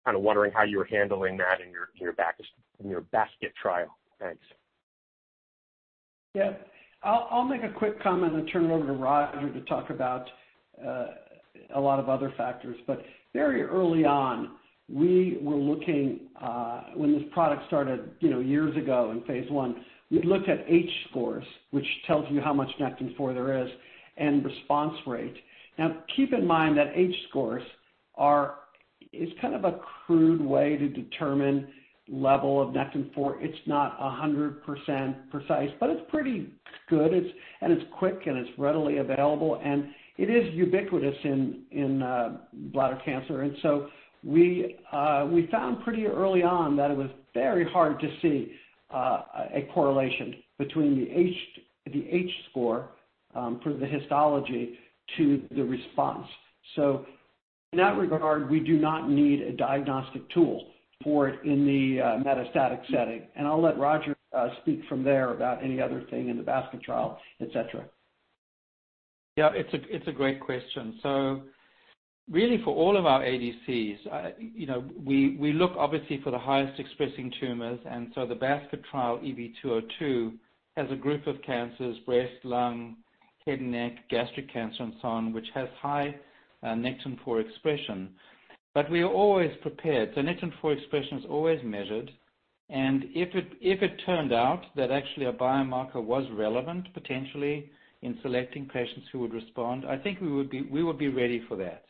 Speaker 13: kind of wondering how you are handling that in your basket trial. Thanks.
Speaker 3: Yeah. I'll make a quick comment, then turn it over to Roger to talk about a lot of other factors. Very early on, when this product started years ago in phase I, we looked at H-score, which tells you how much Nectin-4 there is, and response rate. Now keep in mind that H-score is kind of a crude way to determine level of Nectin-4. It's not 100% precise, but it's pretty good, and it's quick, and it's readily available, and it is ubiquitous in bladder cancer. We found pretty early on that it was very hard to see a correlation between the H-score for the histology to the response. In that regard, we do not need a diagnostic tool for it in the metastatic setting. I'll let Roger speak from there about any other thing in the basket trial, et cetera.
Speaker 6: Yeah. It's a great question. Really for all of our ADCs, we look obviously for the highest expressing tumors, the basket trial EV-202 has a group of cancers, breast, lung, head, neck, gastric cancer, and so on, which has high Nectin-4 expression. We are always prepared. The Nectin-4 expression is always measured, if it turned out that actually a biomarker was relevant, potentially in selecting patients who would respond, I think we would be ready for that.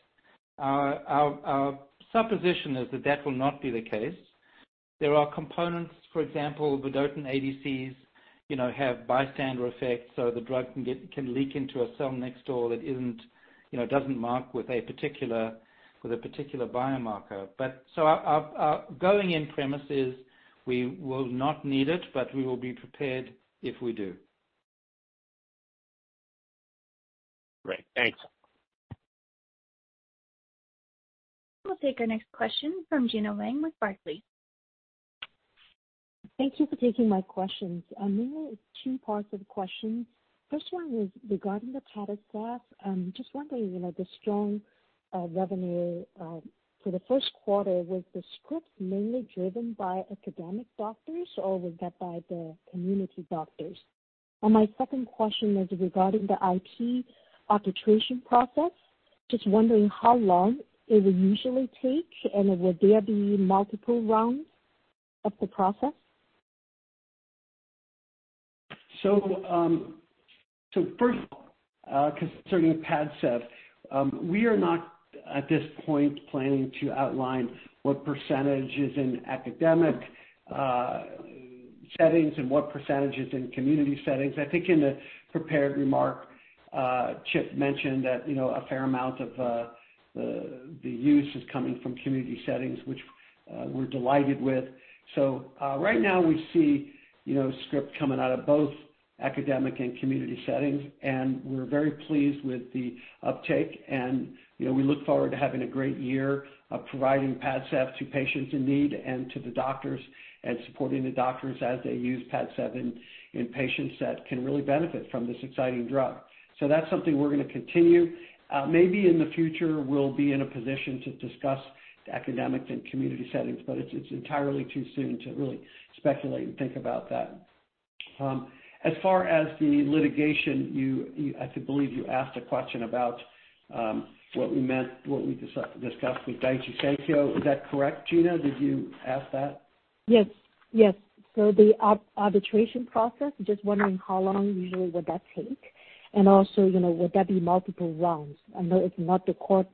Speaker 6: Our supposition is that that will not be the case. There are components, for example, vedotin ADCs, have bystander effects, the drug can leak into a cell next door that doesn't mark with a particular biomarker. Our going-in premise is we will not need it, but we will be prepared if we do.
Speaker 13: Great. Thanks.
Speaker 1: We'll take our next question from Gena Wang with Barclays.
Speaker 14: Thank you for taking my questions. Really, it's two parts of the question. First one was regarding the PADCEV. Just wondering, the strong revenue for the first quarter, was the script mainly driven by academic doctors or was that by the community doctors? My second question is regarding the IP arbitration process, just wondering how long it would usually take, and will there be multiple rounds of the process?
Speaker 3: First, concerning PADCEV, we are not at this point planning to outline what percentage is in academic settings and what percentage is in community settings. I think in the prepared remark, Chip mentioned that a fair amount of the use is coming from community settings, which we're delighted with. Right now we see scripts coming out of both academic and community settings, and we're very pleased with the uptake. We look forward to having a great year of providing PADCEV to patients in need and to the doctors and supporting the doctors as they use PADCEV in patients that can really benefit from this exciting drug. That's something we're going to continue. Maybe in the future, we'll be in a position to discuss academic and community settings, but it's entirely too soon to really speculate and think about that. As far as the litigation, I believe you asked a question about what we discussed with Daiichi Sankyo. Is that correct, Gena? Did you ask that?
Speaker 14: Yes. The arbitration process, just wondering how long usually would that take, and also, would that be multiple rounds? I know it's not the court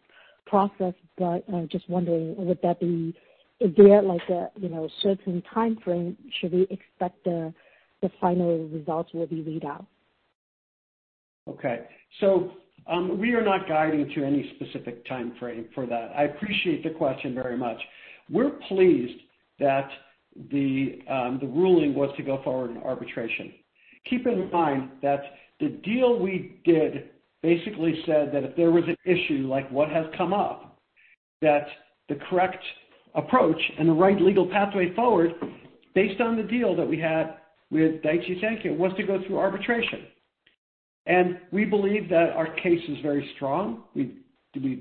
Speaker 14: process, but just wondering, is there a certain time frame should we expect the final results will be read out?
Speaker 3: Okay. We are not guiding to any specific time frame for that. I appreciate the question very much. We're pleased that the ruling was to go forward in arbitration. Keep in mind that the deal we did basically said that if there was an issue like what has come up, that the correct approach and the right legal pathway forward based on the deal that we had with Daiichi Sankyo, was to go through arbitration. We believe that our case is very strong. We've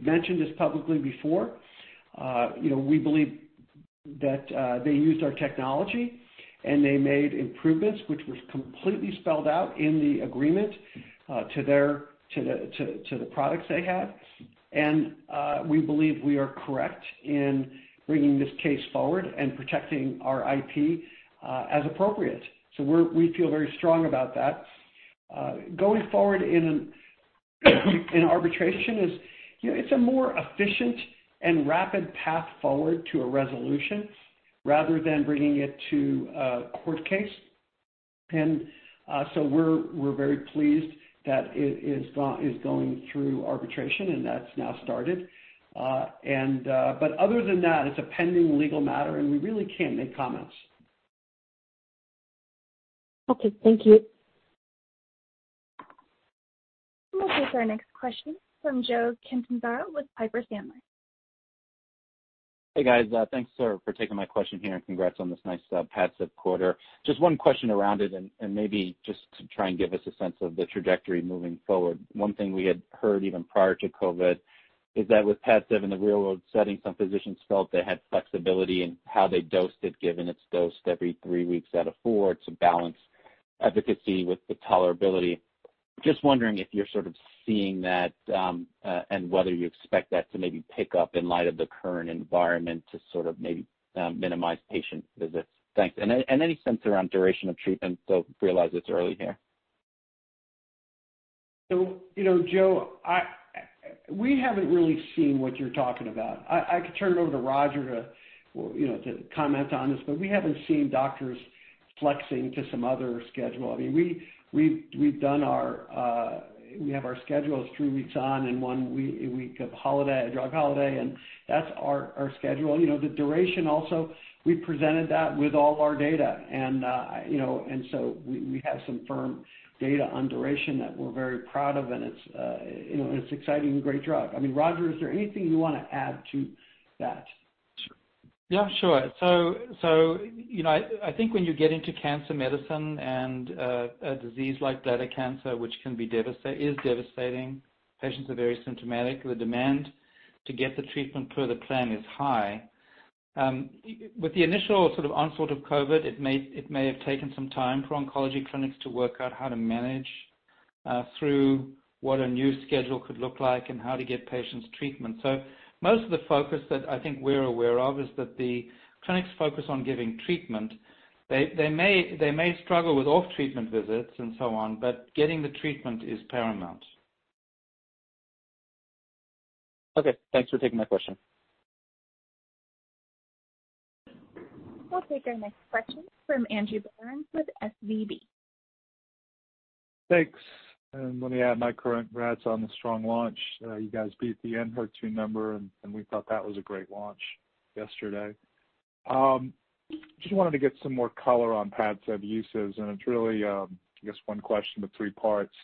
Speaker 3: mentioned this publicly before. We believe that they used our technology, and they made improvements, which was completely spelled out in the agreement, to the products they had. We believe we are correct in bringing this case forward and protecting our IP, as appropriate. We feel very strong about that. Going forward in an arbitration is a more efficient and rapid path forward to a resolution rather than bringing it to a court case. We're very pleased that it is going through arbitration, and that's now started. Other than that, it's a pending legal matter, and we really can't make comments.
Speaker 14: Okay. Thank you.
Speaker 1: We'll take our next question from Joe Catanzaro with Piper Sandler.
Speaker 15: Hey, guys. Thanks for taking my question here, and congrats on this nice PADCEV quarter. Just one question around it and maybe just to try and give us a sense of the trajectory moving forward. One thing we had heard even prior to COVID is that with PADCEV in the real-world setting, some physicians felt they had flexibility in how they dosed it, given it's dosed every three weeks out of four to balance efficacy with the tolerability. Just wondering if you're sort of seeing that, and whether you expect that to maybe pick up in light of the current environment to sort of maybe minimize patient visits. Thanks. Any sense around duration of treatment, though realize it's early here.
Speaker 3: Joe, we haven't really seen what you're talking about. I could turn it over to Roger to comment on this, but we haven't seen doctors flexing to some other schedule. We have our schedule as three weeks on and one week of drug holiday, and that's our schedule. The duration also, we presented that with all our data, and so we have some firm data on duration that we're very proud of, and it's an exciting and great drug. Roger, is there anything you want to add to that?
Speaker 6: Yeah, sure. I think when you get into cancer medicine and a disease like bladder cancer, which is devastating, patients are very symptomatic. The demand to get the treatment per the plan is high. With the initial sort of onslaught of COVID, it may have taken some time for oncology clinics to work out how to manage through what a new schedule could look like and how to get patients treatment. Most of the focus that I think we're aware of is that the clinics focus on giving treatment. They may struggle with off-treatment visits and so on, but getting the treatment is paramount.
Speaker 15: Okay. Thanks for taking my question.
Speaker 1: We'll take our next question from Andrew Berens with SVB.
Speaker 16: Thanks. Let me add my congrats on the strong launch. You guys beat the ENHERTU number. We thought that was a great launch yesterday. Just wanted to get some more color on PADCEV uses. It's really, I guess one question, but three parts.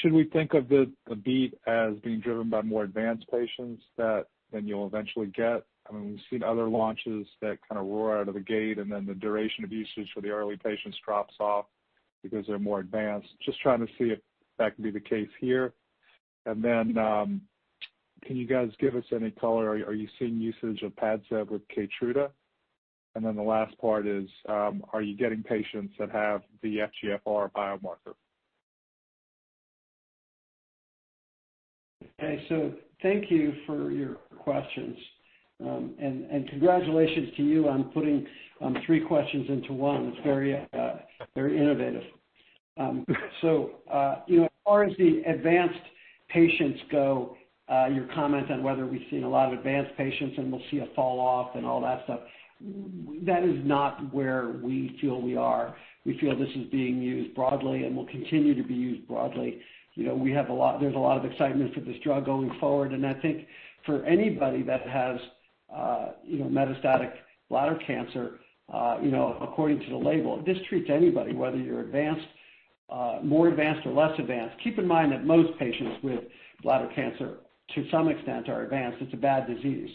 Speaker 16: Should we think of the beat as being driven by more advanced patients than you'll eventually get? We've seen other launches that kind of roar out of the gate. The duration of usage for the early patients drops off because they're more advanced. Just trying to see if that can be the case here. Can you guys give us any color? Are you seeing usage of PADCEV with KEYTRUDA? The last part is, are you getting patients that have the FGFR biomarker?
Speaker 3: Okay. Thank you for your questions. Congratulations to you on putting three questions into one. It's very innovative. As far as the advanced patients go, your comment on whether we've seen a lot of advanced patients and we'll see a fall off and all that stuff, that is not where we feel we are. We feel this is being used broadly and will continue to be used broadly. There's a lot of excitement for this drug going forward, and I think for anybody that has metastatic bladder cancer, according to the label, this treats anybody, whether you're advanced, more advanced, or less advanced. Keep in mind that most patients with bladder cancer, to some extent, are advanced. It's a bad disease.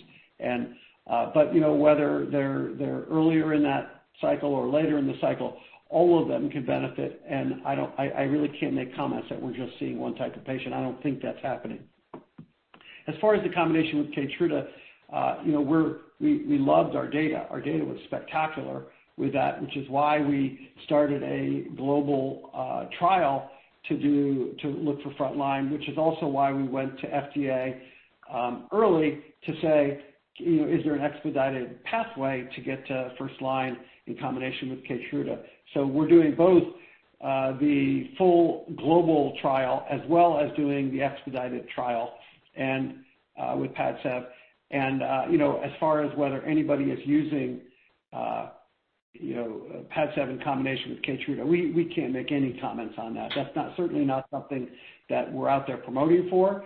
Speaker 3: Whether they're earlier in that cycle or later in the cycle, all of them can benefit, and I really can't make comments that we're just seeing one type of patient. I don't think that's happening. As far as the combination with KEYTRUDA, we loved our data. Our data was spectacular with that, which is why we started a global trial to look for frontline, which is also why we went to FDA early to say, "Is there an expedited pathway to get to first line in combination with KEYTRUDA?" We're doing both the full global trial as well as doing the expedited trial with PADCEV. As far as whether anybody is using PADCEV in combination with KEYTRUDA, we can't make any comments on that. That's certainly not something that we're out there promoting for.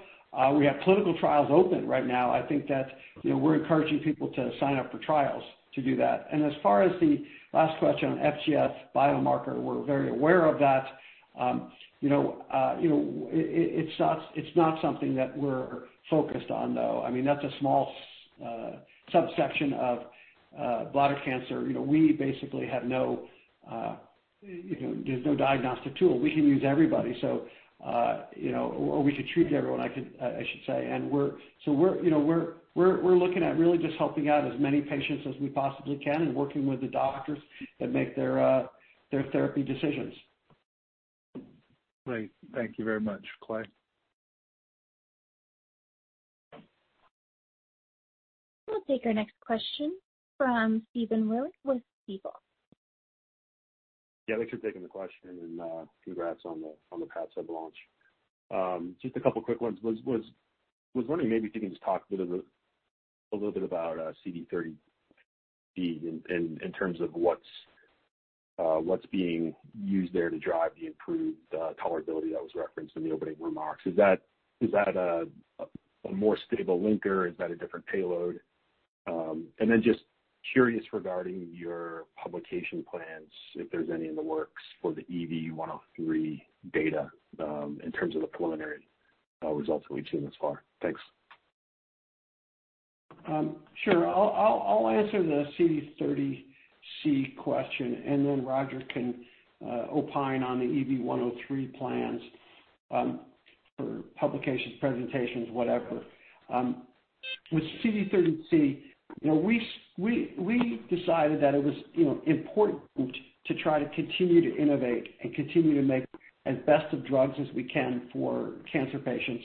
Speaker 3: We have clinical trials open right now. I think that we're encouraging people to sign up for trials to do that. As far as the last question on FGFR biomarker, we're very aware of that. It's not something that we're focused on, though. That's a small subsection of bladder cancer. We basically have no diagnostic tool. We can use everybody, or we could treat everyone, I should say. We're looking at really just helping out as many patients as we possibly can and working with the doctors that make their therapy decisions.
Speaker 16: Great. Thank you very much, Clay.
Speaker 1: We'll take our next question from Stephen Willey with Stifel.
Speaker 17: Yeah, thanks for taking the question and congrats on the PADCEV launch. Just a couple quick ones. I was wondering maybe if you can just talk a little bit about CD30 in terms of what's being used there to drive the improved tolerability that was referenced in the opening remarks. Is that a more stable linker? Is that a different payload? Just curious regarding your publication plans, if there's any in the works for the EV-103 data in terms of the preliminary results that we've seen thus far. Thanks.
Speaker 3: Sure. I'll answer the CD30C question, then Roger can opine on the EV-103 plans for publications, presentations, whatever. With CD30C, we decided that it was important to try to continue to innovate and continue to make as best of drugs as we can for cancer patients.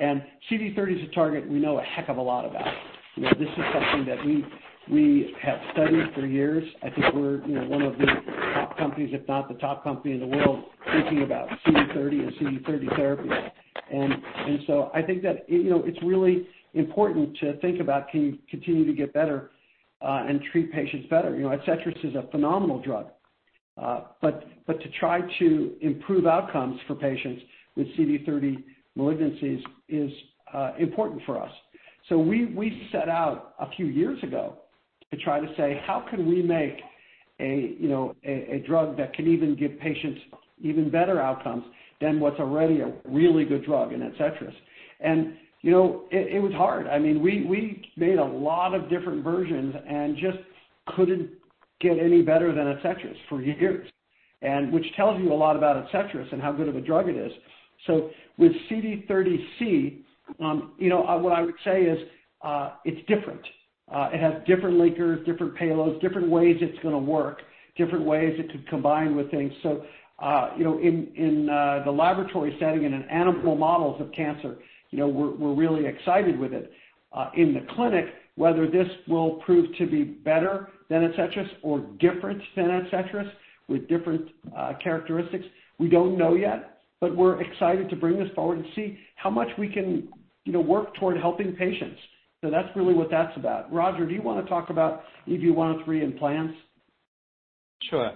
Speaker 3: CD30 is a target we know a heck of a lot about. This is something that we have studied for years. I think we're one of the top companies, if not the top company in the world, thinking about CD30 and CD30 therapies. I think that it's really important to think about can you continue to get better and treat patients better. ADCETRIS is a phenomenal drug. To try to improve outcomes for patients with CD30 malignancies is important for us. We set out a few years ago to try to say, how can we make a drug that can even give patients even better outcomes than what's already a really good drug in ADCETRIS? It was hard. We made a lot of different versions and just couldn't get any better than ADCETRIS for years, and which tells you a lot about ADCETRIS and how good of a drug it is. With CD30C, what I would say is it's different. It has different linkers, different payloads, different ways it's going to work, different ways it could combine with things. In the laboratory setting and in animal models of cancer, we're really excited with it. In the clinic, whether this will prove to be better than ADCETRIS or different than ADCETRIS with different characteristics, we don't know yet. We're excited to bring this forward and see how much we can work toward helping patients. That's really what that's about. Roger, do you want to talk about EV-103 and plans?
Speaker 6: Sure.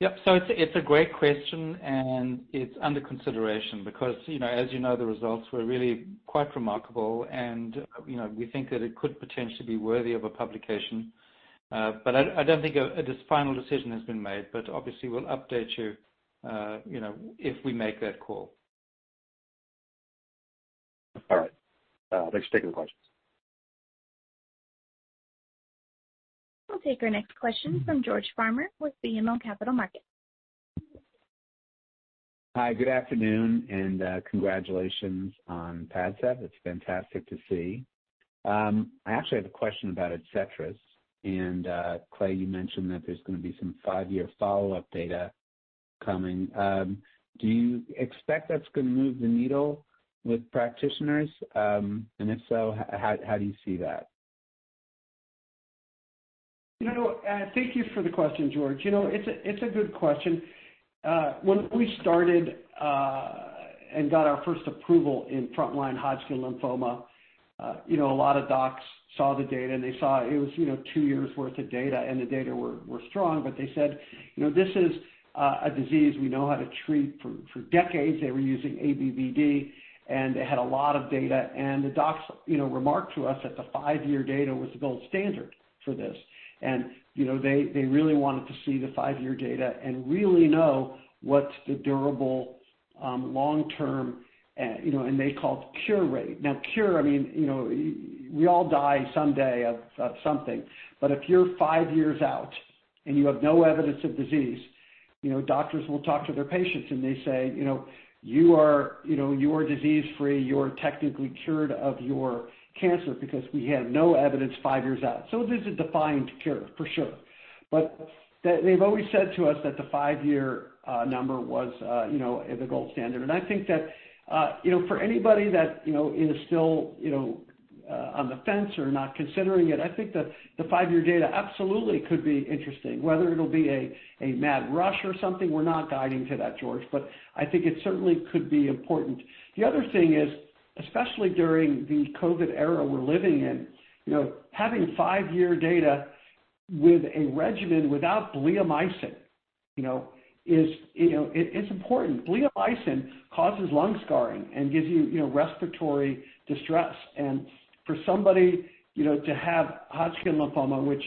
Speaker 6: Yep, it's a great question, and it's under consideration because, as you know, the results were really quite remarkable, and we think that it could potentially be worthy of a publication. I don't think a final decision has been made, but obviously, we'll update you if we make that call.
Speaker 17: All right. Thanks for taking the questions.
Speaker 1: I'll take our next question from George Farmer with BMO Capital Markets.
Speaker 18: Hi, good afternoon, and congratulations on PADCEV. It's fantastic to see. I actually have a question about ADCETRIS. Clay, you mentioned that there's going to be some five-year follow-up data coming. Do you expect that's going to move the needle with practitioners? If so, how do you see that?
Speaker 3: Thank you for the question, George. It's a good question. When we started and got our first approval in frontline Hodgkin lymphoma, a lot of docs saw the data, and they saw it was two years' worth of data, and the data were strong, but they said, "This is a disease we know how to treat." For decades, they were using ABVD, and they had a lot of data, and the docs remarked to us that the five-year data was the gold standard for this. They really wanted to see the five-year data and really know what's the durable long-term, and they call it the cure rate. Now, cure, we all die someday of something. If you're five years out and you have no evidence of disease, doctors will talk to their patients, and they say, "You are disease-free. You're technically cured of your cancer because we have no evidence five years out." There's a defined cure, for sure. They've always said to us that the five-year number was the gold standard. I think that for anybody that is still on the fence or not considering it, I think the five-year data absolutely could be interesting. Whether it'll be a mad rush or something, we're not guiding to that, George, I think it certainly could be important. The other thing is, especially during the COVID era we're living in, having five-year data with a regimen without bleomycin, it's important. Bleomycin causes lung scarring and gives you respiratory distress. For somebody to have Hodgkin lymphoma, which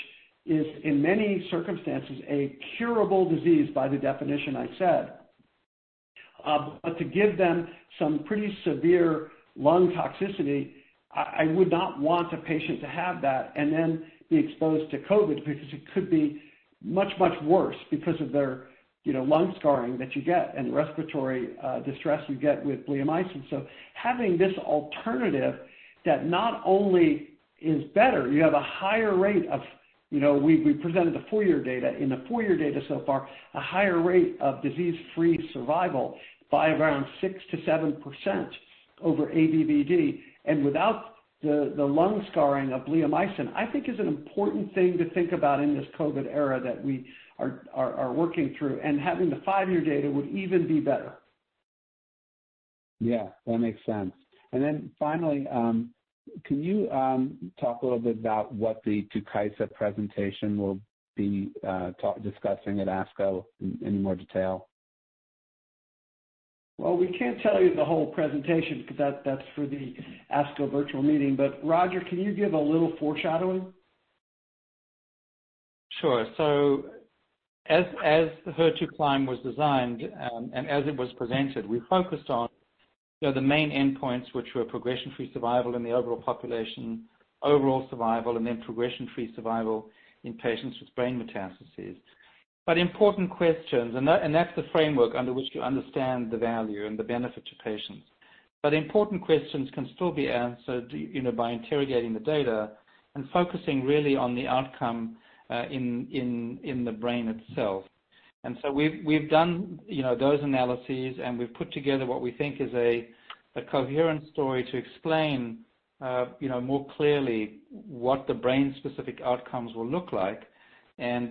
Speaker 3: is in many circumstances a curable disease by the definition I said, but to give them some pretty severe lung toxicity, I would not want a patient to have that and then be exposed to COVID because it could be much, much worse because of their lung scarring that you get and respiratory distress you get with bleomycin. Having this alternative that not only is better, We presented the four-year data. In the four-year data so far, a higher rate of disease-free survival by around 6%-7% over ABVD, and without the lung scarring of bleomycin. I think is an important thing to think about in this COVID era that we are working through, and having the five-year data would even be better.
Speaker 18: Yeah, that makes sense. Finally, can you talk a little bit about what the TUKYSA presentation will be discussing at ASCO in more detail?
Speaker 3: Well, we can't tell you the whole presentation because that's for the ASCO virtual meeting, but Roger, can you give a little foreshadowing?
Speaker 6: Sure. As the HER2CLIMB was designed, and as it was presented, we focused on the main endpoints, which were progression-free survival in the overall population, overall survival, and then progression-free survival in patients with brain metastases. Important questions, and that's the framework under which you understand the value and the benefit to patients. Important questions can still be answered by interrogating the data and focusing really on the outcome in the brain itself. We've done those analyses, and we've put together what we think is a coherent story to explain more clearly what the brain-specific outcomes will look like.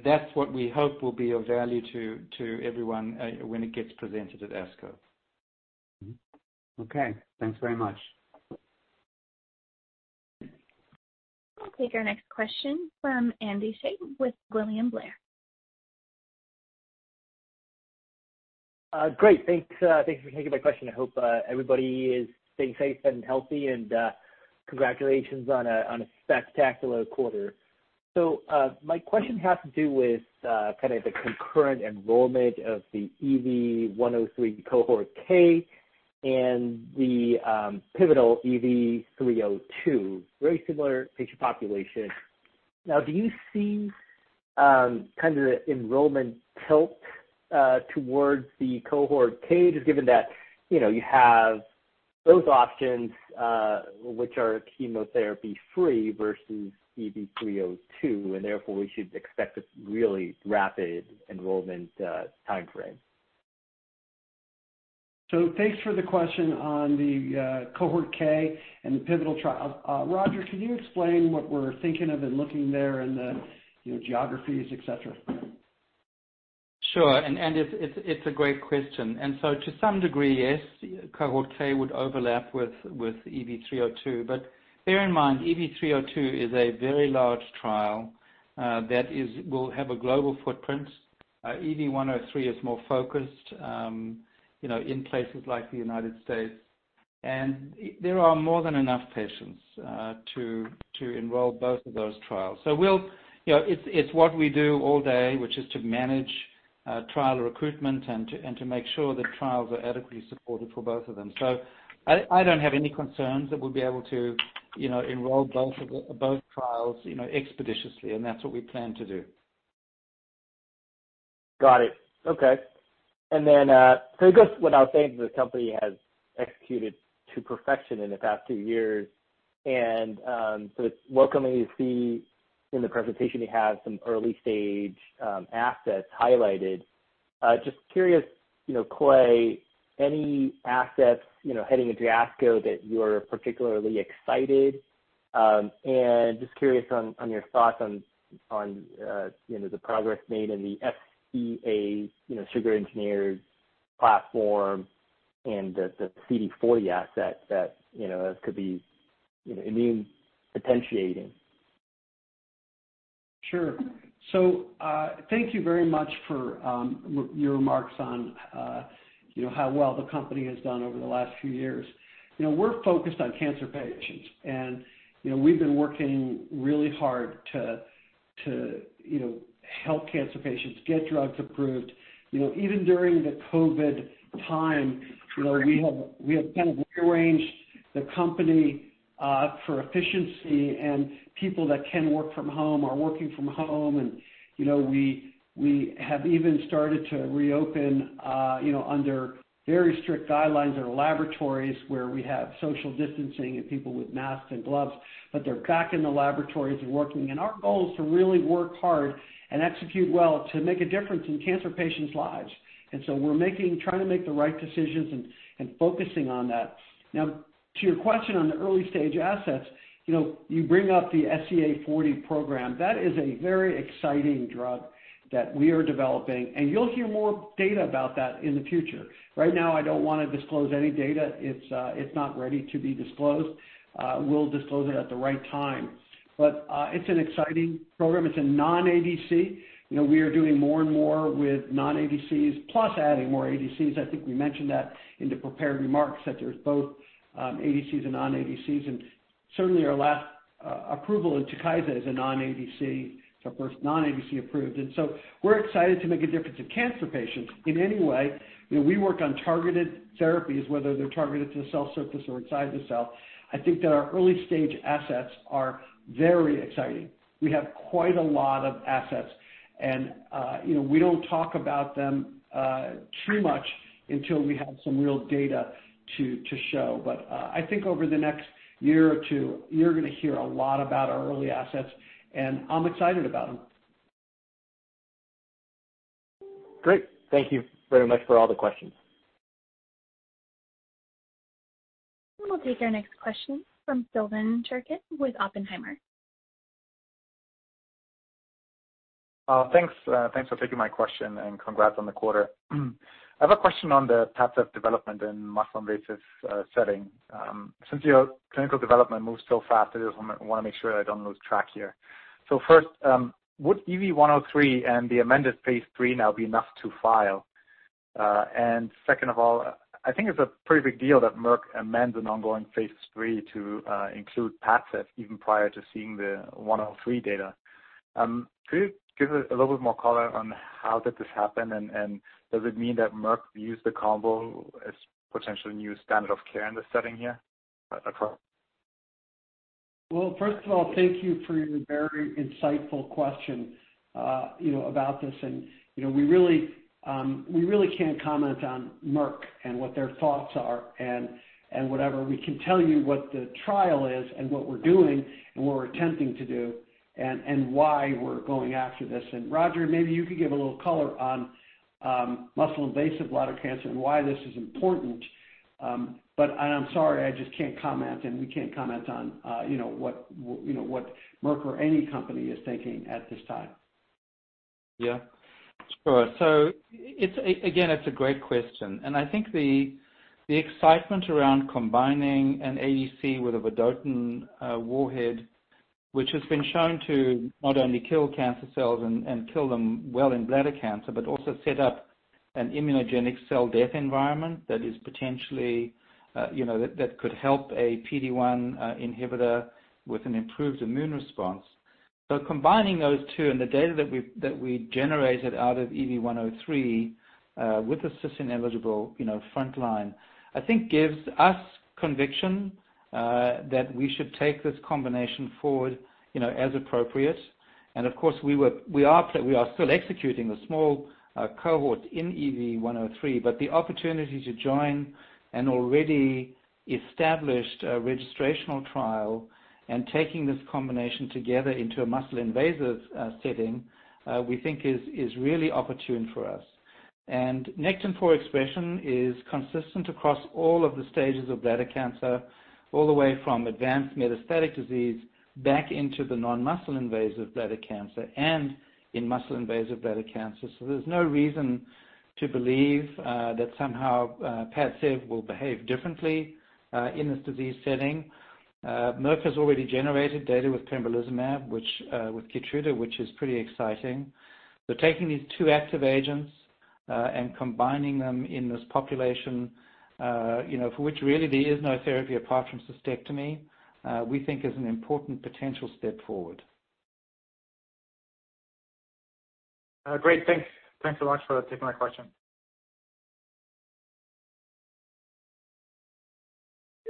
Speaker 6: That's what we hope will be of value to everyone when it gets presented at ASCO.
Speaker 18: Okay. Thanks very much.
Speaker 1: We'll take our next question from Andy Hsieh with William Blair.
Speaker 19: Great. Thanks for taking my question. I hope everybody is staying safe and healthy, and congratulations on a spectacular quarter. My question has to do with the concurrent enrollment of the EV-103 cohort K and the pivotal EV-302. Very similar patient population. Do you see the enrollment tilt towards the cohort K, just given that you have those options, which are chemotherapy-free versus EV-302, and therefore we should expect this really rapid enrollment timeframe?
Speaker 3: Thanks for the question on the cohort K and the pivotal trial. Roger, can you explain what we're thinking of and looking there in the geographies, et cetera?
Speaker 6: Sure, Andy, it's a great question. To some degree, yes, cohort K would overlap with EV-302. Bear in mind, EV-302 is a very large trial that will have a global footprint. EV-103 is more focused in places like the U.S. There are more than enough patients to enroll both of those trials. It's what we do all day, which is to manage trial recruitment and to make sure that trials are adequately supported for both of them. I don't have any concerns that we'll be able to enroll both trials expeditiously, and that's what we plan to do.
Speaker 19: Got it. Okay. I guess what I was saying is the company has executed to perfection in the past two years, and so it's welcoming to see in the presentation you have some early-stage assets highlighted. Just curious, Clay, any assets heading into ASCO that you're particularly excited? Just curious on your thoughts on the progress made in the SEA sugar-engineered platform and the CD40 asset that could be immune-potentiating.
Speaker 3: Sure. Thank you very much for your remarks on how well the company has done over the last few years. We're focused on cancer patients, and we've been working really hard to help cancer patients get drugs approved. Even during the COVID time, we have kind of rearranged the company for efficiency, and people that can work from home are working from home. We have even started to reopen under very strict guidelines in our laboratories where we have social distancing and people with masks and gloves, but they're back in the laboratories and working. Our goal is to really work hard and execute well to make a difference in cancer patients' lives. We're trying to make the right decisions and focusing on that. To your question on the early-stage assets, you bring up the SEA-CD40 program. That is a very exciting drug that we are developing, and you'll hear more data about that in the future. Right now, I don't want to disclose any data. It's not ready to be disclosed. We'll disclose it at the right time. It's an exciting program. It's a non-ADC. We are doing more and more with non-ADCs, plus adding more ADCs. I think we mentioned that in the prepared remarks, that there's both ADCs and non-ADCs. Certainly our last approval in TUKYSA is a non-ADC. It's our first non-ADC approved. We're excited to make a difference in cancer patients in any way. We work on targeted therapies, whether they're targeted to the cell surface or inside the cell. I think that our early-stage assets are very exciting. We have quite a lot of assets, and we don't talk about them too much until we have some real data to show. I think over the next year or two, you're going to hear a lot about our early assets, and I'm excited about them.
Speaker 19: Great. Thank you very much for all the questions.
Speaker 1: We'll take our next question from Silvan Türkcan with Oppenheimer.
Speaker 20: Thanks for taking my question. Congrats on the quarter. I have a question on the path of development in muscle-invasive setting. Since your clinical development moves so fast, I just want to make sure I don't lose track here. First, would EV-103 and the amended phase III now be enough to file? Second of all, I think it's a pretty big deal that Merck amends an ongoing phase III to include PADCEV even prior to seeing the EV-103 data. Could you give a little bit more color on how did this happen, and does it mean that Merck views the combo as potential new standard of care in this setting here?
Speaker 3: Well, first of all, thank you for your very insightful question about this. We really can't comment on Merck and what their thoughts are and whatever. We can tell you what the trial is and what we're doing and what we're attempting to do and why we're going after this. Roger, maybe you could give a little color on muscle-invasive bladder cancer and why this is important. I'm sorry, I just can't comment, and we can't comment on what Merck or any company is thinking at this time.
Speaker 6: Yeah, sure. Again, it's a great question. I think the excitement around combining an ADC with a vedotin warhead, which has been shown to not only kill cancer cells and kill them well in bladder cancer, but also set up an immunogenic cell death environment that could help a PD-1 inhibitor with an improved immune response. Combining those two and the data that we generated out of EV-103, with the cisplatin-eligible frontline, I think gives us conviction that we should take this combination forward as appropriate. Of course, we are still executing a small cohort in EV-103, but the opportunity to join an already established registrational trial and taking this combination together into a muscle-invasive setting, we think is really opportune for us. Nectin-4 expression is consistent across all of the stages of bladder cancer, all the way from advanced metastatic disease back into the non-muscle invasive bladder cancer and in muscle-invasive bladder cancer. There's no reason to believe that somehow PADCEV will behave differently in this disease setting. Merck has already generated data with pembrolizumab, with KEYTRUDA, which is pretty exciting. Taking these two active agents and combining them in this population, for which really there is no therapy apart from cystectomy, we think is an important potential step forward.
Speaker 20: Great. Thanks a lot for taking my question.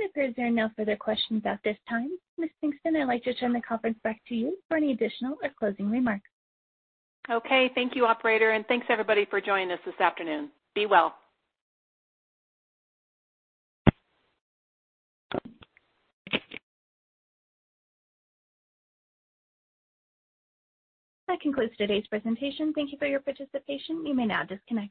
Speaker 1: It appears there are no further questions at this time. Ms. Pinkston, I'd like to turn the conference back to you for any additional or closing remarks.
Speaker 2: Okay. Thank you, operator, and thanks everybody for joining us this afternoon. Be well.
Speaker 1: That concludes today's presentation. Thank you for your participation. You may now disconnect.